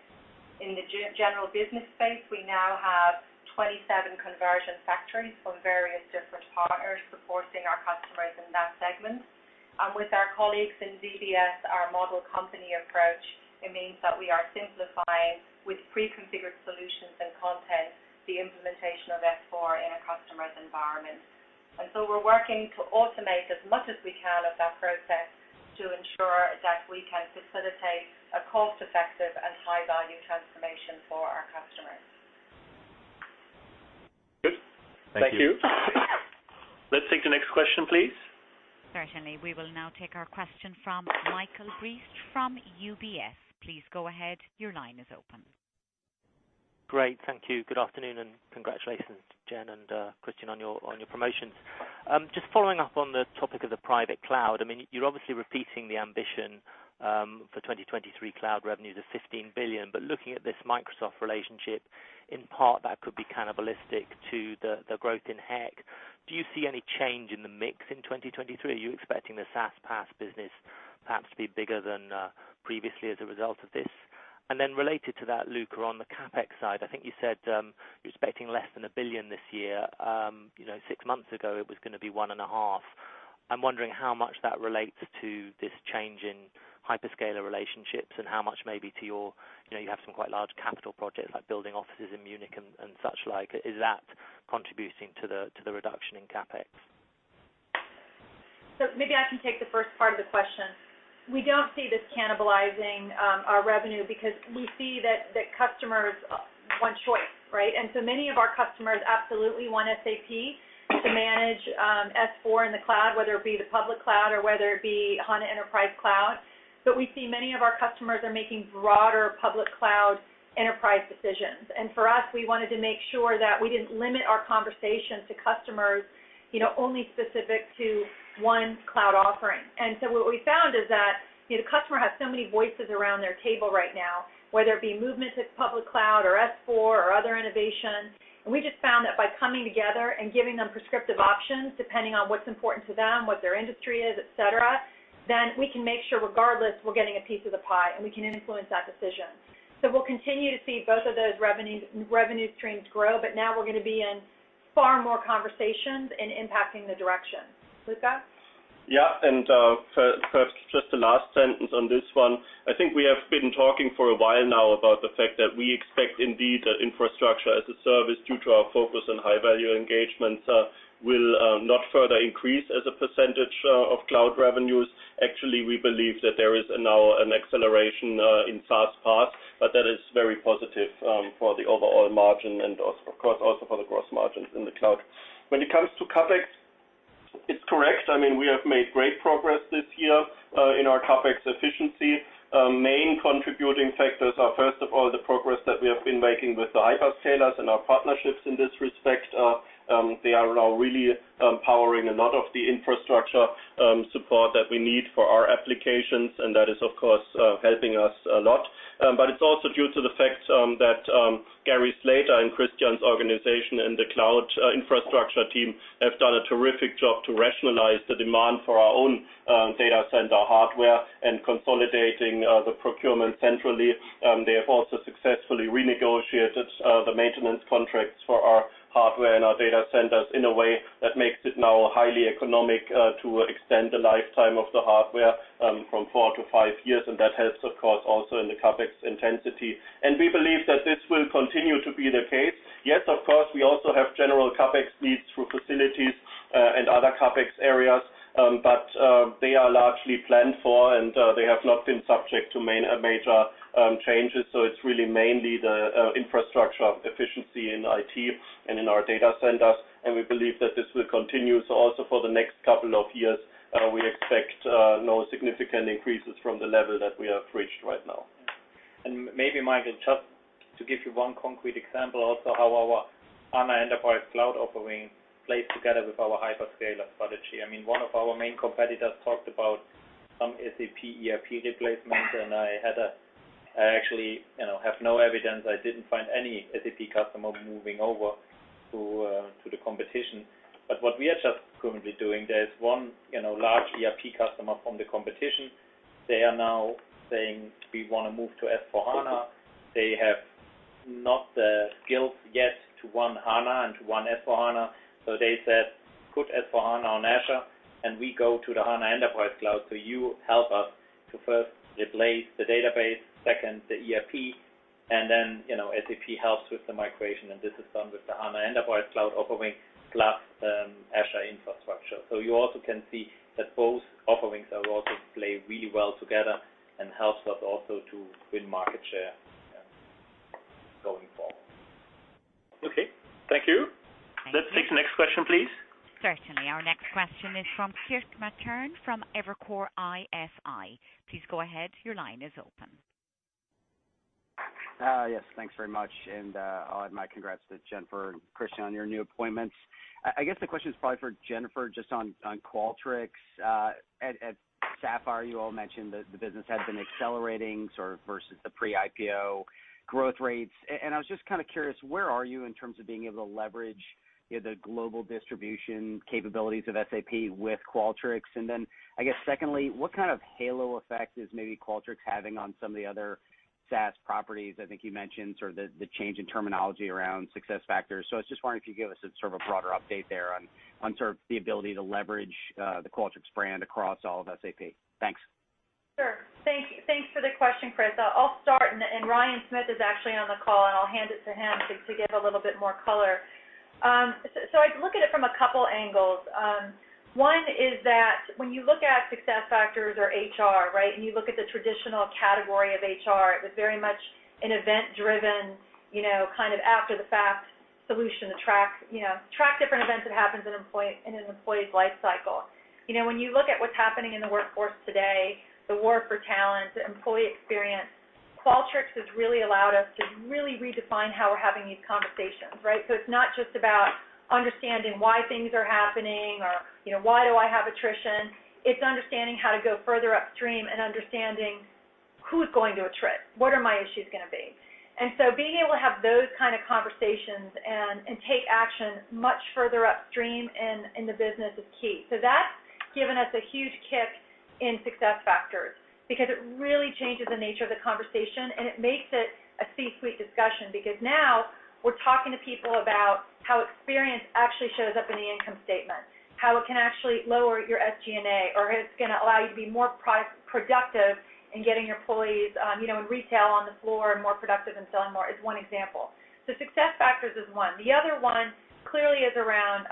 In the general business space, we now have 27 conversion factories from various different partners supporting our customers in that segment. With our colleagues in DBS, our model company approach, it means that we are simplifying with pre-configured solutions and content, the implementation of S/4 in a customer's environment. We're working to automate as much as we can of that process to ensure that we can facilitate a cost-effective and high-value transformation for our customers. Good. Thank you. Let's take the next question, please. Certainly. We will now take our question from Michael Briest from UBS. Please go ahead. Your line is open. Great. Thank you. Good afternoon. Congratulations, Jen and Christian, on your promotions. Just following up on the topic of the private cloud. You're obviously repeating the ambition for 2023 cloud revenues of 15 billion. Looking at this Microsoft relationship, in part, that could be cannibalistic to the growth in HEC. Do you see any change in the mix in 2023? Are you expecting the SaaS PaaS business perhaps to be bigger than previously as a result of this? Related to that, Luka, on the CapEx side, I think you said you're expecting less than 1 billion this year. Six months ago it was going to be one and a half billion. I'm wondering how much that relates to this change in hyperscaler relationships and how much maybe to your, you have some quite large capital projects like building offices in Munich and such like. Is that contributing to the reduction in CapEx? Maybe I can take the first part of the question. We don't see this cannibalizing our revenue because we see that customers want choice, right? Many of our customers absolutely want SAP to manage S/4 in the cloud, whether it be the public cloud or whether it be HANA Enterprise Cloud. We see many of our customers are making broader public cloud enterprise decisions. For us, we wanted to make sure that we didn't limit our conversation to customers, only specific to one cloud offering. What we found is that the customer has so many voices around their table right now, whether it be movement to public cloud or S/4 or other innovations. We just found that by coming together and giving them prescriptive options, depending on what's important to them, what their industry is, et cetera, then we can make sure, regardless, we're getting a piece of the pie, and we can influence that decision. We'll continue to see both of those revenue streams grow, but now we're going to be in far more conversations and impacting the direction. Luka? Yeah. Perhaps just the last sentence on this one. I think we have been talking for a while now about the fact that we expect indeed that infrastructure as a service, due to our focus on high-value engagements, will not further increase as a percentage of cloud revenues. Actually, we believe that there is now an acceleration in SaaS PaaS, but that is very positive for the overall margin and of course, also for the gross margins in the cloud. When it comes to CapEx, it's correct. We have made great progress this year in our CapEx efficiency. Main contributing factors are, first of all, the progress that we have been making with the hyperscalers and our partnerships in this respect. They are now really powering a lot of the infrastructure support that we need for our applications, and that is, of course, helping us a lot. It's also due to the fact that Gary Slater in Christian's organization and the cloud infrastructure team have done a terrific job to rationalize the demand for our own data center hardware and consolidating the procurement centrally. They have also successfully renegotiated the maintenance contracts for our hardware and our data centers in a way that makes it now highly economic to extend the lifetime of the hardware from 4-5 years, and that helps, of course, also in the CapEx intensity. We believe that this will continue to be the case. Yes, of course, we also have general CapEx needs through facilities and other CapEx areas. They are largely planned for, and they have not been subject to major changes. It's really mainly the infrastructure efficiency in IT and in our data centers, and we believe that this will continue. Also for the next couple of years, we expect no significant increases from the level that we have reached right now. Maybe, Michael, just to give you one concrete example also how our SAP HANA Enterprise Cloud offering plays together with our hyperscaler strategy. One of our main competitors talked about some SAP ERP replacement, and I actually have no evidence. I didn't find any SAP customer moving over to the competition. What we are just currently doing, there is one large ERP customer from the competition. They are now saying, "We want to move to SAP S/4HANA." They have not the skills yet to run SAP HANA and to run SAP S/4HANA. They said, "Put SAP S/4HANA on Microsoft Azure, and we go to the SAP HANA Enterprise Cloud." You help us to first replace the database, second, the ERP, and then SAP helps with the migration. This is done with the SAP HANA Enterprise Cloud offering plus Microsoft Azure infrastructure. You also can see that both offerings are also play really well together and helps us also to win market share going forward. Okay. Thank you. Let's take the next question, please. Certainly. Our next question is from Kirk Materne from Evercore ISI. Please go ahead. Your line is open. Yes. Thanks very much. I'll add my congrats to Jennifer and Christian on your new appointments. I guess the question is probably for Jennifer, just on Qualtrics. At SAP Sapphire, you all mentioned that the business had been accelerating sort of versus the pre-IPO growth rates. I was just kind of curious, where are you in terms of being able to leverage the global distribution capabilities of SAP with Qualtrics? I guess secondly, what kind of halo effect is maybe Qualtrics having on some of the other SaaS properties? I think you mentioned sort of the change in terminology around SAP SuccessFactors. I'm just wondering if you could give us sort of a broader update there on sort of the ability to leverage the Qualtrics brand across all of SAP. Thanks. Sure. Thanks for the question, Kirk. I'll start. Ryan Smith is actually on the call, and I'll hand it to him to give a little bit more color. I look at it from a couple angles. One is that when you look at SuccessFactors or HR, right, and you look at the traditional category of HR, it was very much an event-driven kind of after-the-fact solution to track different events that happens in an employee's life cycle. When you look at what's happening in the workforce today, the war for talent, the employee experience, Qualtrics has really allowed us to really redefine how we're having these conversations, right? It's not just about understanding why things are happening or, why do I have attrition? It's understanding how to go further upstream and understanding who's going to attrit. What are my issues going to be? Being able to have those kind of conversations and take action much further upstream in the business is key. That's given us a huge kick in SuccessFactors because it really changes the nature of the conversation, and it makes it a C-suite discussion because now we're talking to people about how experience actually shows up in the income statement, how it can actually lower your SG&A, or how it's going to allow you to be more productive in getting your employees in retail on the floor and more productive in selling more is one example. The other one clearly is around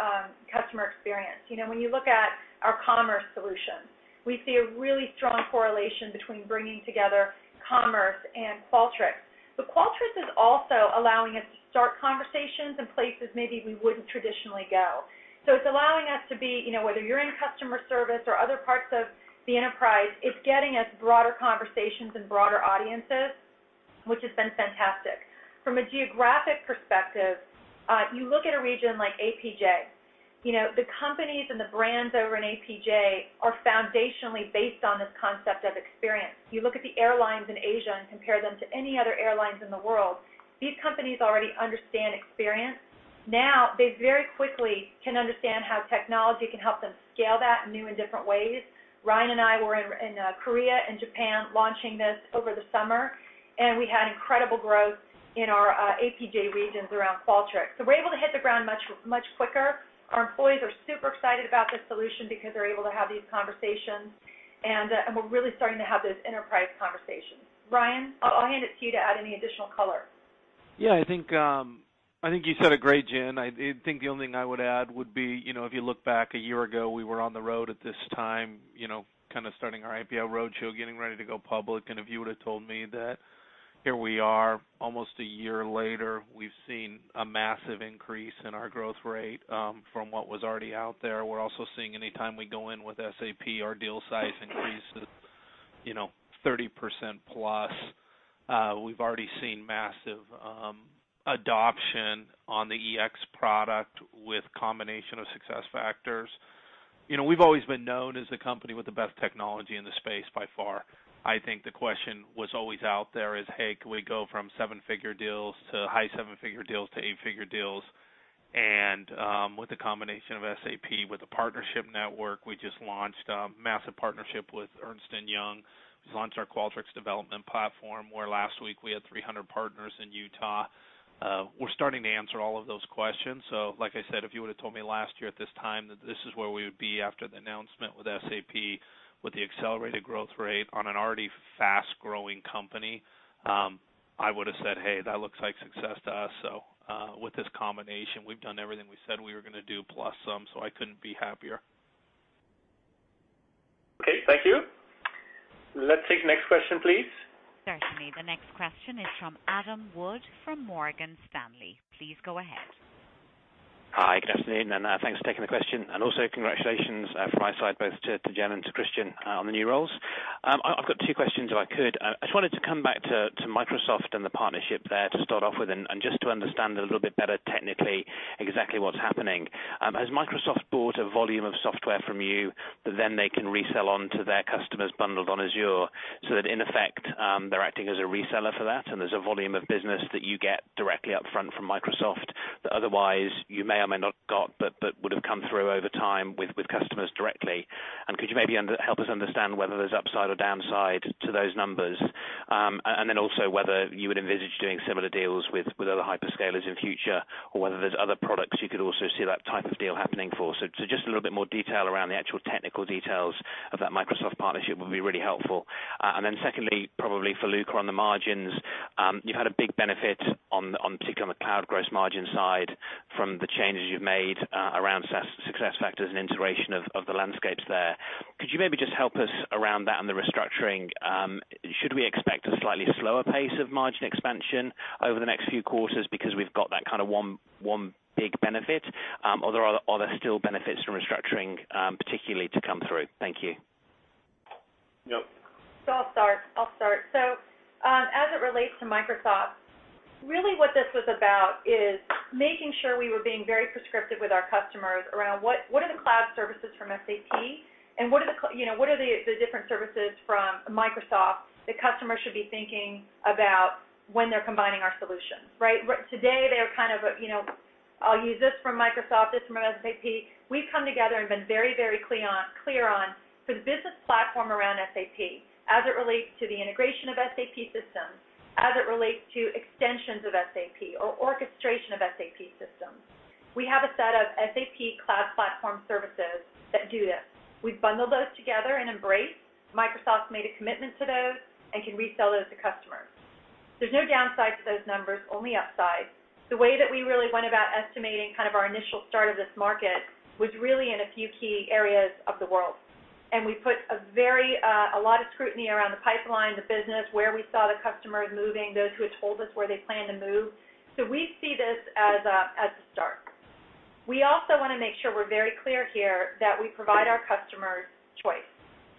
customer experience. When you look at our commerce solutions, we see a really strong correlation between bringing together commerce and Qualtrics. Qualtrics is also allowing us to start conversations in places maybe we wouldn't traditionally go. It's allowing us to be, whether you're in customer service or other parts of the enterprise, it's getting us broader conversations and broader audiences, which has been fantastic. From a geographic perspective, you look at a region like APJ. The companies and the brands over in APJ are foundationally based on this concept of experience. You look at the airlines in Asia and compare them to any other airlines in the world. These companies already understand experience. Now, they very quickly can understand how technology can help them scale that in new and different ways. Ryan and I were in Korea and Japan launching this over the summer, and we had incredible growth in our APJ regions around Qualtrics. We're able to hit the ground much quicker. Our employees are super excited about this solution because they're able to have these conversations. We're really starting to have those enterprise conversations. Ryan, I'll hand it to you to add any additional color. I think you said it great, Jen. I think the only thing I would add would be, if you look back a year ago, we were on the road at this time, kind of starting our IPO roadshow, getting ready to go public, and if you would've told me that, here we are almost a year later. We've seen a massive increase in our growth rate from what was already out there. We're also seeing any time we go in with SAP, our deal size increases 30%-plus. We've already seen massive adoption on the EX product with combination of SuccessFactors. We've always been known as the company with the best technology in the space by far. I think the question was always out there is, Hey, can we go from 7-figure deals to high 7-figure deals to 8-figure deals? With the combination of SAP, with the partnership network, we just launched a massive partnership with Ernst & Young. We launched our Qualtrics development platform, where last week we had 300 partners in Utah. We're starting to answer all of those questions. Like I said, if you would've told me last year at this time that this is where we would be after the announcement with SAP, with the accelerated growth rate on an already fast-growing company, I would've said, Hey, that looks like success to us. With this combination, we've done everything we said we were going to do, plus some, so I couldn't be happier. Okay. Thank you. Let's take the next question, please. Certainly. The next question is from Adam Wood from Morgan Stanley. Please go ahead. Hi. Good afternoon, and thanks for taking the question, and also congratulations from my side both to Jen and to Christian on the new roles. I've got two questions, if I could. I just wanted to come back to Microsoft and the partnership there to start off with and just to understand a little bit better technically exactly what's happening. Has Microsoft bought a volume of software from you that then they can resell on to their customers bundled on Azure, so that in effect, they're acting as a reseller for that, and there's a volume of business that you get directly up front from Microsoft that otherwise you may or may not got but would've come through over time with customers directly? Could you maybe help us understand whether there's upside or downside to those numbers? Also whether you would envisage doing similar deals with other hyperscalers in future or whether there's other products you could also see that type of deal happening for. Just a little bit more detail around the actual technical details of that Microsoft partnership would be really helpful. Secondly, probably for Luka on the margins. You had a big benefit on particularly on the cloud gross margin side from the changes you've made around SuccessFactors and integration of the landscapes there. Could you maybe just help us around that and the restructuring? Should we expect a slightly slower pace of margin expansion over the next few quarters because we've got that kind of one big benefit? Are there still benefits from restructuring, particularly to come through? Thank you. Nope. I'll start. As it relates to Microsoft, really what this was about is making sure we were being very prescriptive with our customers around what are the cloud services from SAP and what are the different services from Microsoft that customers should be thinking about when they're combining our solutions, right? Today, they're kind of, I'll use this from Microsoft, this from SAP. We've come together and been very clear on the business platform around SAP as it relates to the integration of SAP systems, as it relates to extensions of SAP or orchestration of SAP systems. We have a set of SAP cloud platform services that do this. We've bundled those together in Embrace. Microsoft's made a commitment to those and can resell those to customers. There's no downside to those numbers, only upside. The way that we really went about estimating kind of our initial start of this market was really in a few key areas of the world. We put a lot of scrutiny around the pipeline, the business, where we saw the customers moving, those who had told us where they planned to move. We see this as a start. We also want to make sure we're very clear here that we provide our customers choice.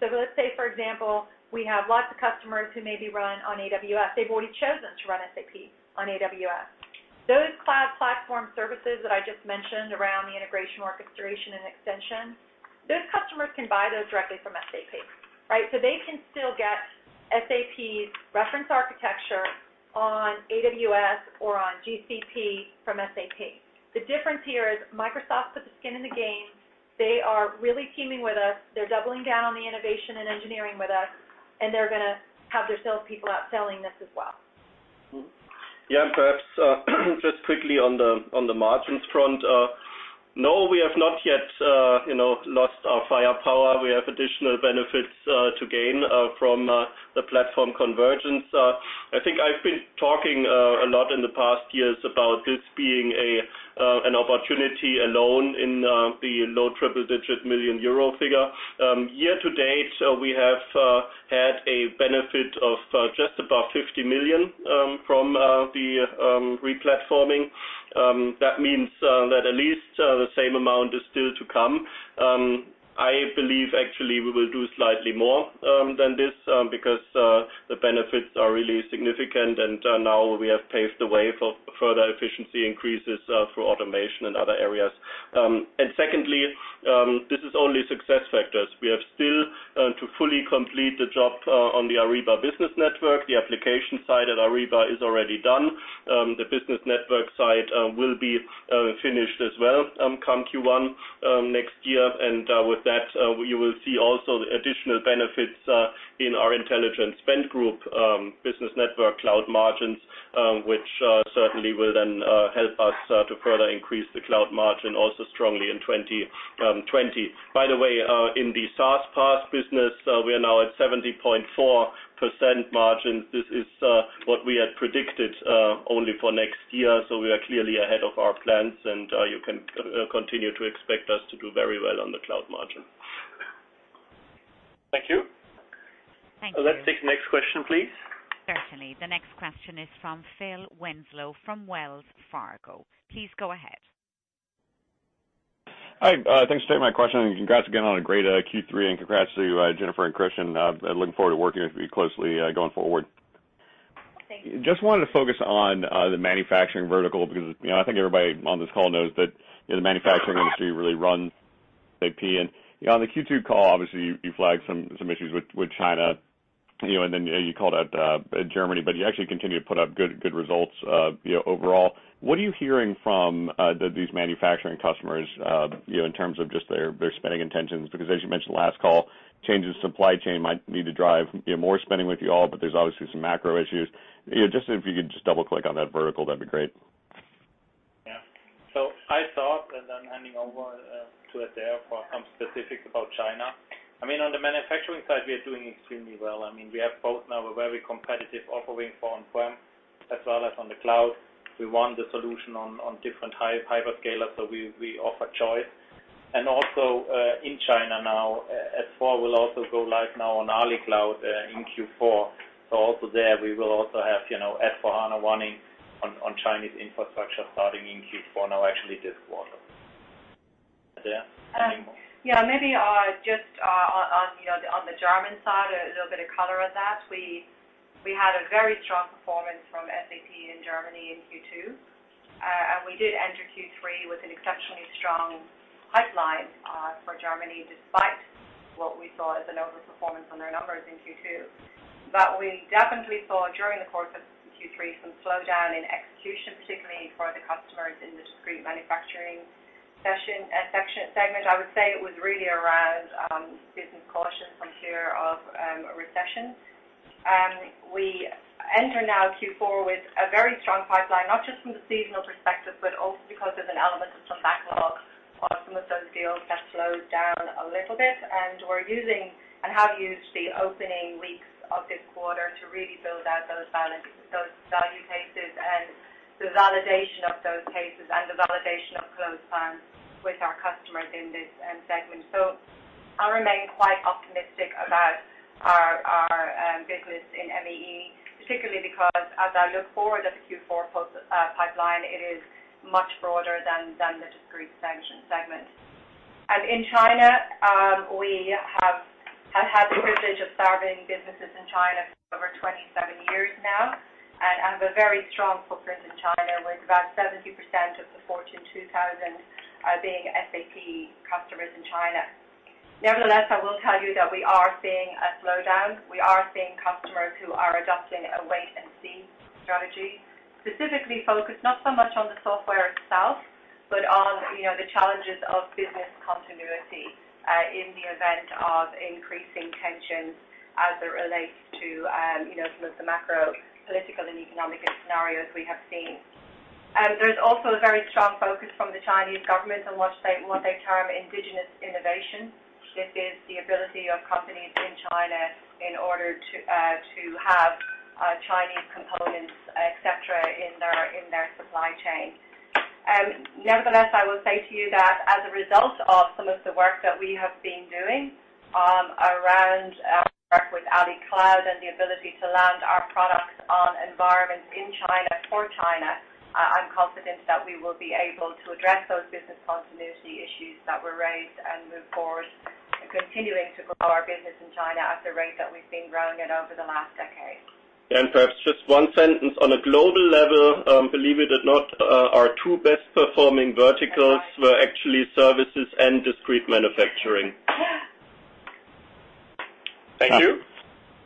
Let's say, for example, we have lots of customers who maybe run on AWS. They've already chosen to run SAP on AWS. Those cloud platform services that I just mentioned around the integration, orchestration, and extension, those customers can buy those directly from SAP, right? They can still get SAP's reference architecture on AWS or on GCP from SAP. The difference here is Microsoft put the skin in the game. They are really teaming with us. They're doubling down on the innovation and engineering with us, and they're going to have their salespeople out selling this as well. Yeah. Perhaps, just quickly on the margins front, no, we have not yet lost our firepower. We have additional benefits to gain from the platform convergence. I think I've been talking a lot in the past years about this being an opportunity alone in the low triple-digit million EUR figure. Year-to-date, we have had a benefit of just above 50 million from the re-platforming. That means that at least the same amount is still to come. I believe, actually, we will do slightly more than this because the benefits are really significant, and now we have paved the way for further efficiency increases through automation and other areas. Secondly, this is only SuccessFactors. We have still to fully complete the job on the SAP Business Network. The application side at Ariba is already done. The business network side will be finished as well come Q1 next year. With that, you will see also the additional benefits in our intelligent spend group business network cloud margins, which certainly will then help us to further increase the cloud margin also strongly in 2020. By the way, in the SaaS PaaS business, we are now at 70.4% margins. This is what we had predicted only for next year. We are clearly ahead of our plans, and you can continue to expect us to do very well on the cloud margin. Thank you. Thank you. Let's take the next question, please. Certainly. The next question is from Phil Winslow from Wells Fargo. Please go ahead. Hi. Thanks for taking my question, and congrats again on a great Q3, and congrats to you, Jennifer and Christian. I'm looking forward to working with you closely going forward. Thank you. Just wanted to focus on the manufacturing vertical because I think everybody on this call knows that the manufacturing industry really runs SAP. On the Q2 call, obviously, you flagged some issues with China, and then you called out Germany, but you actually continue to put up good results overall. What are you hearing from these manufacturing customers in terms of just their spending intentions? As you mentioned last call, changes to supply chain might need to drive more spending with you all, but there's obviously some macro issues. Just if you could just double-click on that vertical, that'd be great. I thought, and then handing over to Adaire for some specifics about China. On the manufacturing side, we are doing extremely well. We have both now a very competitive offering for on-prem as well as on the cloud. We run the solution on different hyperscalers. We offer choice. Also, in China now, S/4 will also go live now on AliCloud in Q4. Also there, we will also have SAP S/4HANA running on Chinese infrastructure starting in Q4, now actually this quarter. Adaire? Yeah. Maybe just on the German side, a little bit of color on that. We had a very strong performance from SAP in Germany in Q2, and we did enter Q3 with an exceptionally strong pipeline for Germany, despite what we saw as an overperformance on their numbers in Q2. We definitely saw during the course of Q3 some slowdown in execution, particularly for the customers in the discrete manufacturing segment. I would say it was really around business caution from fear of a recession. We enter now Q4 with a very strong pipeline, not just from the seasonal perspective, but also because there's an element of some backlog on some of those deals that slowed down a little bit. We're using and have used the opening weeks of this quarter to really build out those value cases and the validation of those cases and the validation of close times with our customers in this segment. I remain quite optimistic about our business in ME, particularly because as I look forward at the Q4 pipeline, it is much broader than the discrete segment. In China, we have had the privilege of serving businesses in China for over 27 years now, and have a very strong footprint in China, with about 70% of the Fortune 2000 being SAP customers in China. Nevertheless, I will tell you that we are seeing a slowdown. We are seeing customers who are adopting a wait-and-see strategy, specifically focused not so much on the software itself, but on the challenges of business continuity in the event of increasing tensions as it relates to some of the macro political and economic scenarios we have seen. There's also a very strong focus from the Chinese government on what they term indigenous innovation. This is the ability of companies in China in order to have Chinese components, et cetera, in their supply chain. I will say to you that as a result of some of the work that we have been doing around work with AliCloud and the ability to land our products on environments in China for China, I am confident that we will be able to address those business continuity issues that were raised and move forward, continuing to grow our business in China at the rate that we've been growing it over the last decade. Perhaps just one sentence. On a global level, believe it or not, our two best performing verticals were actually services and discrete manufacturing. Thank you.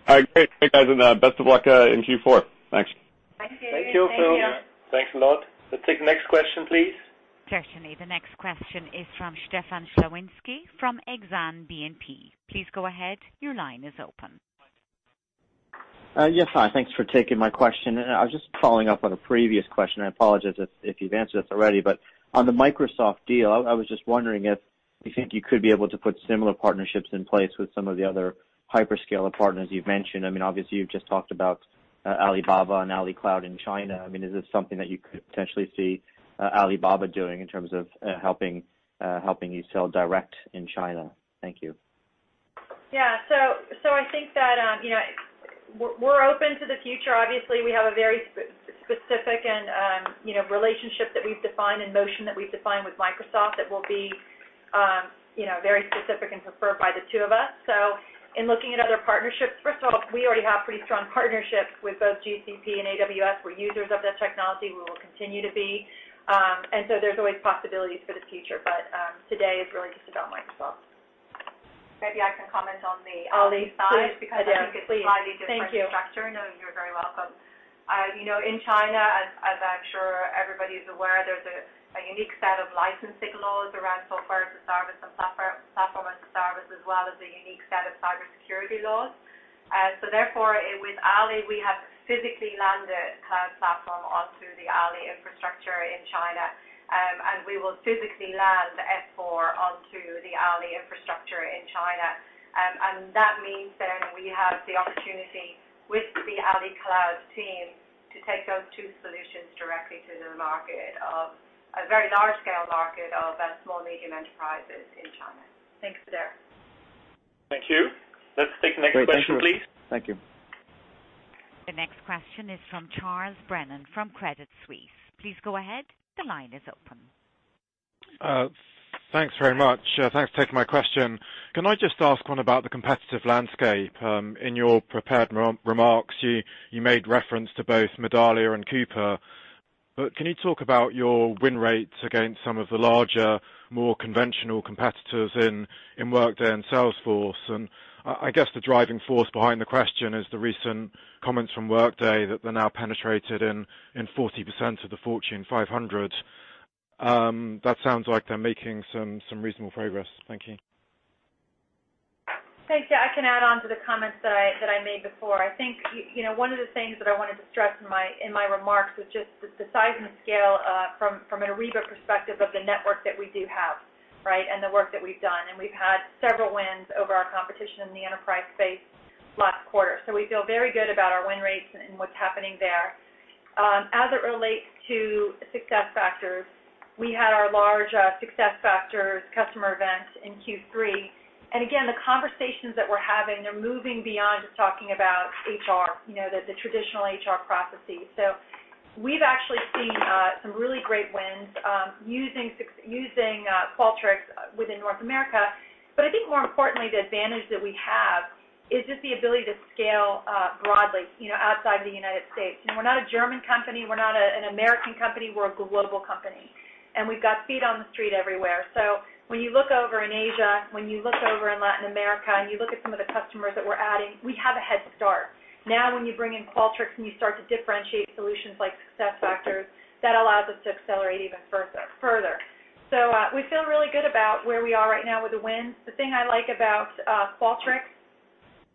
All right, great. Thanks, guys, and best of luck in Q4. Thanks. Thank you. Thank you. Thanks a lot. Let's take the next question, please. Certainly. The next question is from Stefan Slowinski from Exane BNP. Please go ahead. Your line is open. Yes. Hi, thanks for taking my question. I was just following up on a previous question. I apologize if you've answered this already. On the Microsoft deal, I was just wondering if you think you could be able to put similar partnerships in place with some of the other hyperscaler partners you've mentioned. Obviously, you've just talked about Alibaba and AliCloud in China. Is this something that you could potentially see Alibaba doing in terms of helping you sell direct in China? Thank you. Yeah. I think that we're open to the future. Obviously, we have a very specific relationship that we've defined and motion that we've defined with Microsoft that will be very specific and preferred by the two of us. In looking at other partnerships, first off, we already have pretty strong partnerships with both GCP and AWS. We're users of their technology. We will continue to be. There's always possibilities for the future. Today is really just about Microsoft. Maybe I can comment on the Alibaba side. Please, Adaire, please. Thank you because I think it's a slightly different structure. No, you are very welcome. In China, as I am sure everybody is aware, there is a unique set of licensing laws around software as a service and platform as a service, as well as a unique set of cybersecurity laws. Therefore, with Ali, we have physically landed SAP Cloud Platform onto the Ali infrastructure in China, and we will physically land S4 onto the Ali infrastructure in China. That means then we have the opportunity with the AliCloud team to take those two solutions directly to the market of, a very large-scale market of small-medium enterprises in China. Thanks, Steph. Thank you. Let's take the next question, please. Great. Thank you. The next question is from Charles Brennan from Credit Suisse. Please go ahead. The line is open. Thanks very much. Thanks for taking my question. Can I just ask one about the competitive landscape? In your prepared remarks, you made reference to both Medallia and Coupa. Can you talk about your win rates against some of the larger, more conventional competitors in Workday and Salesforce? I guess the driving force behind the question is the recent comments from Workday that they're now penetrated in 40% of the Fortune 500. That sounds like they're making some reasonable progress. Thank you. Thanks. I can add on to the comments that I made before. I think one of the things that I wanted to stress in my remarks was just the size and the scale from an Ariba perspective of the network that we do have, right, and the work that we've done. We've had several wins over our competition in the enterprise space last quarter. We feel very good about our win rates and what's happening there. As it relates to SuccessFactors, we had our large SuccessFactors customer event in Q3. Again, the conversations that we're having, they're moving beyond just talking about HR, the traditional HR processes. We've actually seen some really great wins using Qualtrics within North America. I think more importantly, the advantage that we have is just the ability to scale broadly outside the United States. We're not a German company. We're not an American company. We're a global company, and we've got feet on the street everywhere. When you look over in Asia, when you look over in Latin America, and you look at some of the customers that we're adding, we have a head start. Now, when you bring in Qualtrics, and you start to differentiate solutions like SuccessFactors, that allows us to accelerate even further. We feel really good about where we are right now with the wins. The thing I like about Qualtrics,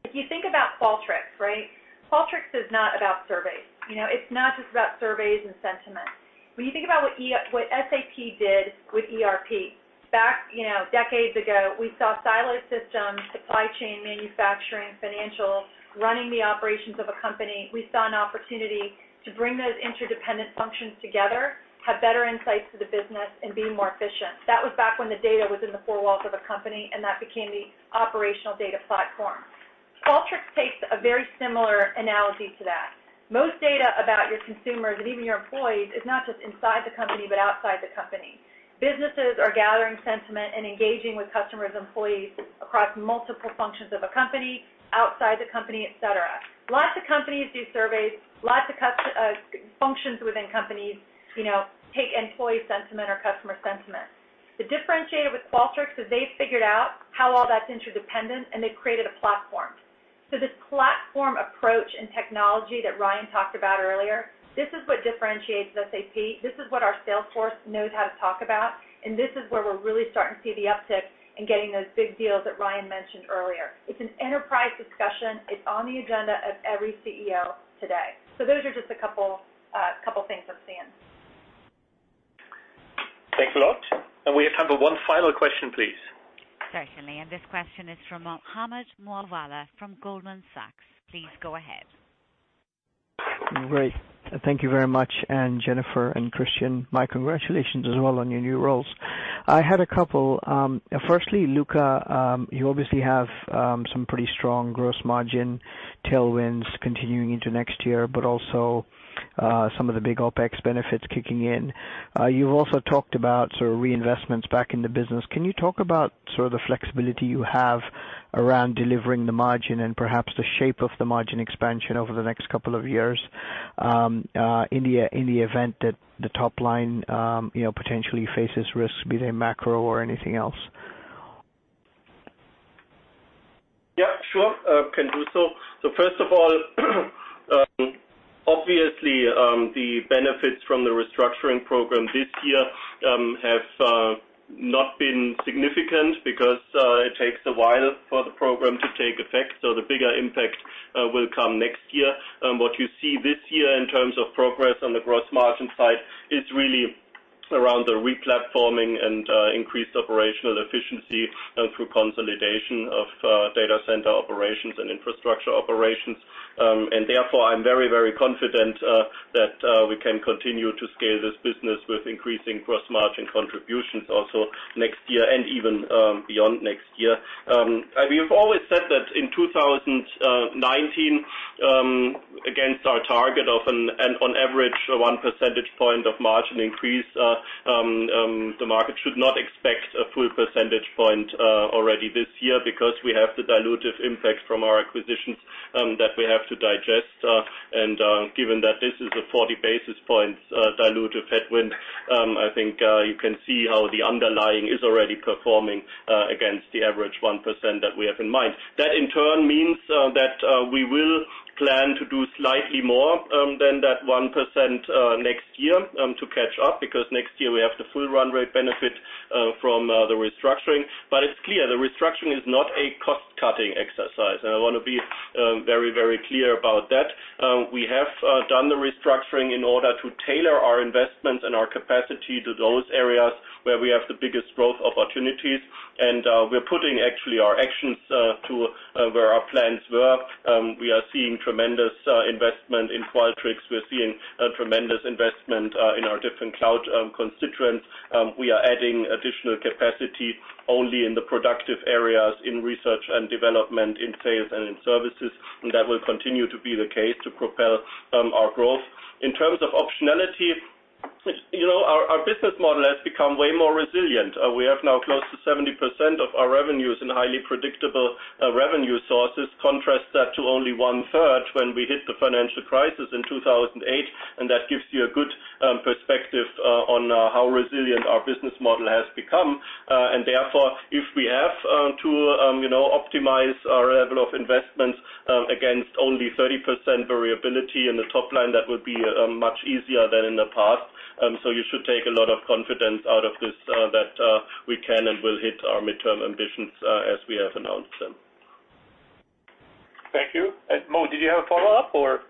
if you think about Qualtrics, right? Qualtrics is not about surveys. It's not just about surveys and sentiment. When you think about what SAP did with ERP back decades ago, we saw siloed systems, supply chain, manufacturing, financial, running the operations of a company. We saw an opportunity to bring those interdependent functions together, have better insights to the business, and be more efficient. That was back when the data was in the four walls of a company, and that became the Operational Data platform. Qualtrics takes a very similar analogy to that. Most data about your consumers and even your employees is not just inside the company, but outside the company. Businesses are gathering sentiment and engaging with customers, employees across multiple functions of a company, outside the company, et cetera. Lots of companies do surveys. Lots of functions within companies take employee sentiment or customer sentiment. The differentiator with Qualtrics is they figured out how all that's interdependent, and they created a platform. This platform approach and technology that Ryan talked about earlier, this is what differentiates SAP. This is what our sales force knows how to talk about. This is where we're really starting to see the uptick in getting those big deals that Ryan mentioned earlier. It's an enterprise discussion. It's on the agenda of every CEO today. Those are just a couple things I'm seeing. Thanks a lot. We have time for one final question, please. Certainly. This question is from Mohammed Moawalla from Goldman Sachs. Please go ahead. Great. Thank you very much. Jennifer and Christian, my congratulations as well on your new roles. I had a couple. Firstly, Luka, you obviously have some pretty strong gross margin tailwinds continuing into next year, but also some of the big OPEX benefits kicking in. You also talked about sort of reinvestments back in the business. Can you talk about sort of the flexibility you have around delivering the margin and perhaps the shape of the margin expansion over the next couple of years, in the event that the top line potentially faces risks, be they macro or anything else? Yeah, sure, can do so. First of all, obviously, the benefits from the restructuring program this year have not been significant because it takes a while for the program to take effect. The bigger impact will come next year. What you see this year in terms of progress on the gross margin side is really around the replatforming and increased operational efficiency and through consolidation of data center operations and infrastructure operations. Therefore, I'm very, very confident that we can continue to scale this business with increasing gross margin contributions also next year and even beyond next year. We have always said that in 2019, against our target of an on average one percentage point of margin increase, the market should not expect a full percentage point already this year because we have the dilutive impact from our acquisitions that we have to digest. Given that this is a 40 basis points dilutive headwind, I think you can see how the underlying is already performing against the average 1% that we have in mind. That in turn means that we will plan to do slightly more than that 1% next year to catch up, because next year we have the full run rate benefit from the restructuring. It's clear the restructuring is not a cost-cutting exercise. I want to be very, very clear about that. We have done the restructuring in order to tailor our investments and our capacity to those areas where we have the biggest growth opportunities. We're putting actually our actions to where our plans were. We are seeing tremendous investment in Qualtrics. We're seeing a tremendous investment in our different cloud constituents. We are adding additional capacity only in the productive areas in research and development, in sales and in services. That will continue to be the case to propel our growth. In terms of optionality, our business model has become way more resilient. We have now close to 70% of our revenues in highly predictable revenue sources. Contrast that to only one-third when we hit the financial crisis in 2008. That gives you a good perspective on how resilient our business model has become. Therefore, if we have to optimize our level of investments against only 30% variability in the top line, that would be much easier than in the past. You should take a lot of confidence out of this that we can and will hit our midterm ambitions as we have announced them. Thank you. Mo, did you have a follow-up or?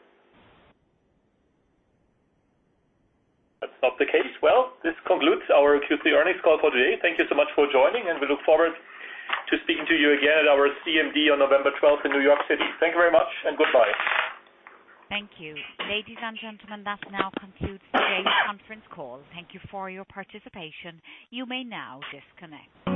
That's not the case. Well, this concludes our Q3 earnings call for today. Thank you so much for joining, and we look forward to speaking to you again at our CMD on November twelfth in New York City. Thank you very much, and goodbye. Thank you. Ladies and gentlemen, that now concludes today's conference call. Thank you for your participation. You may now disconnect.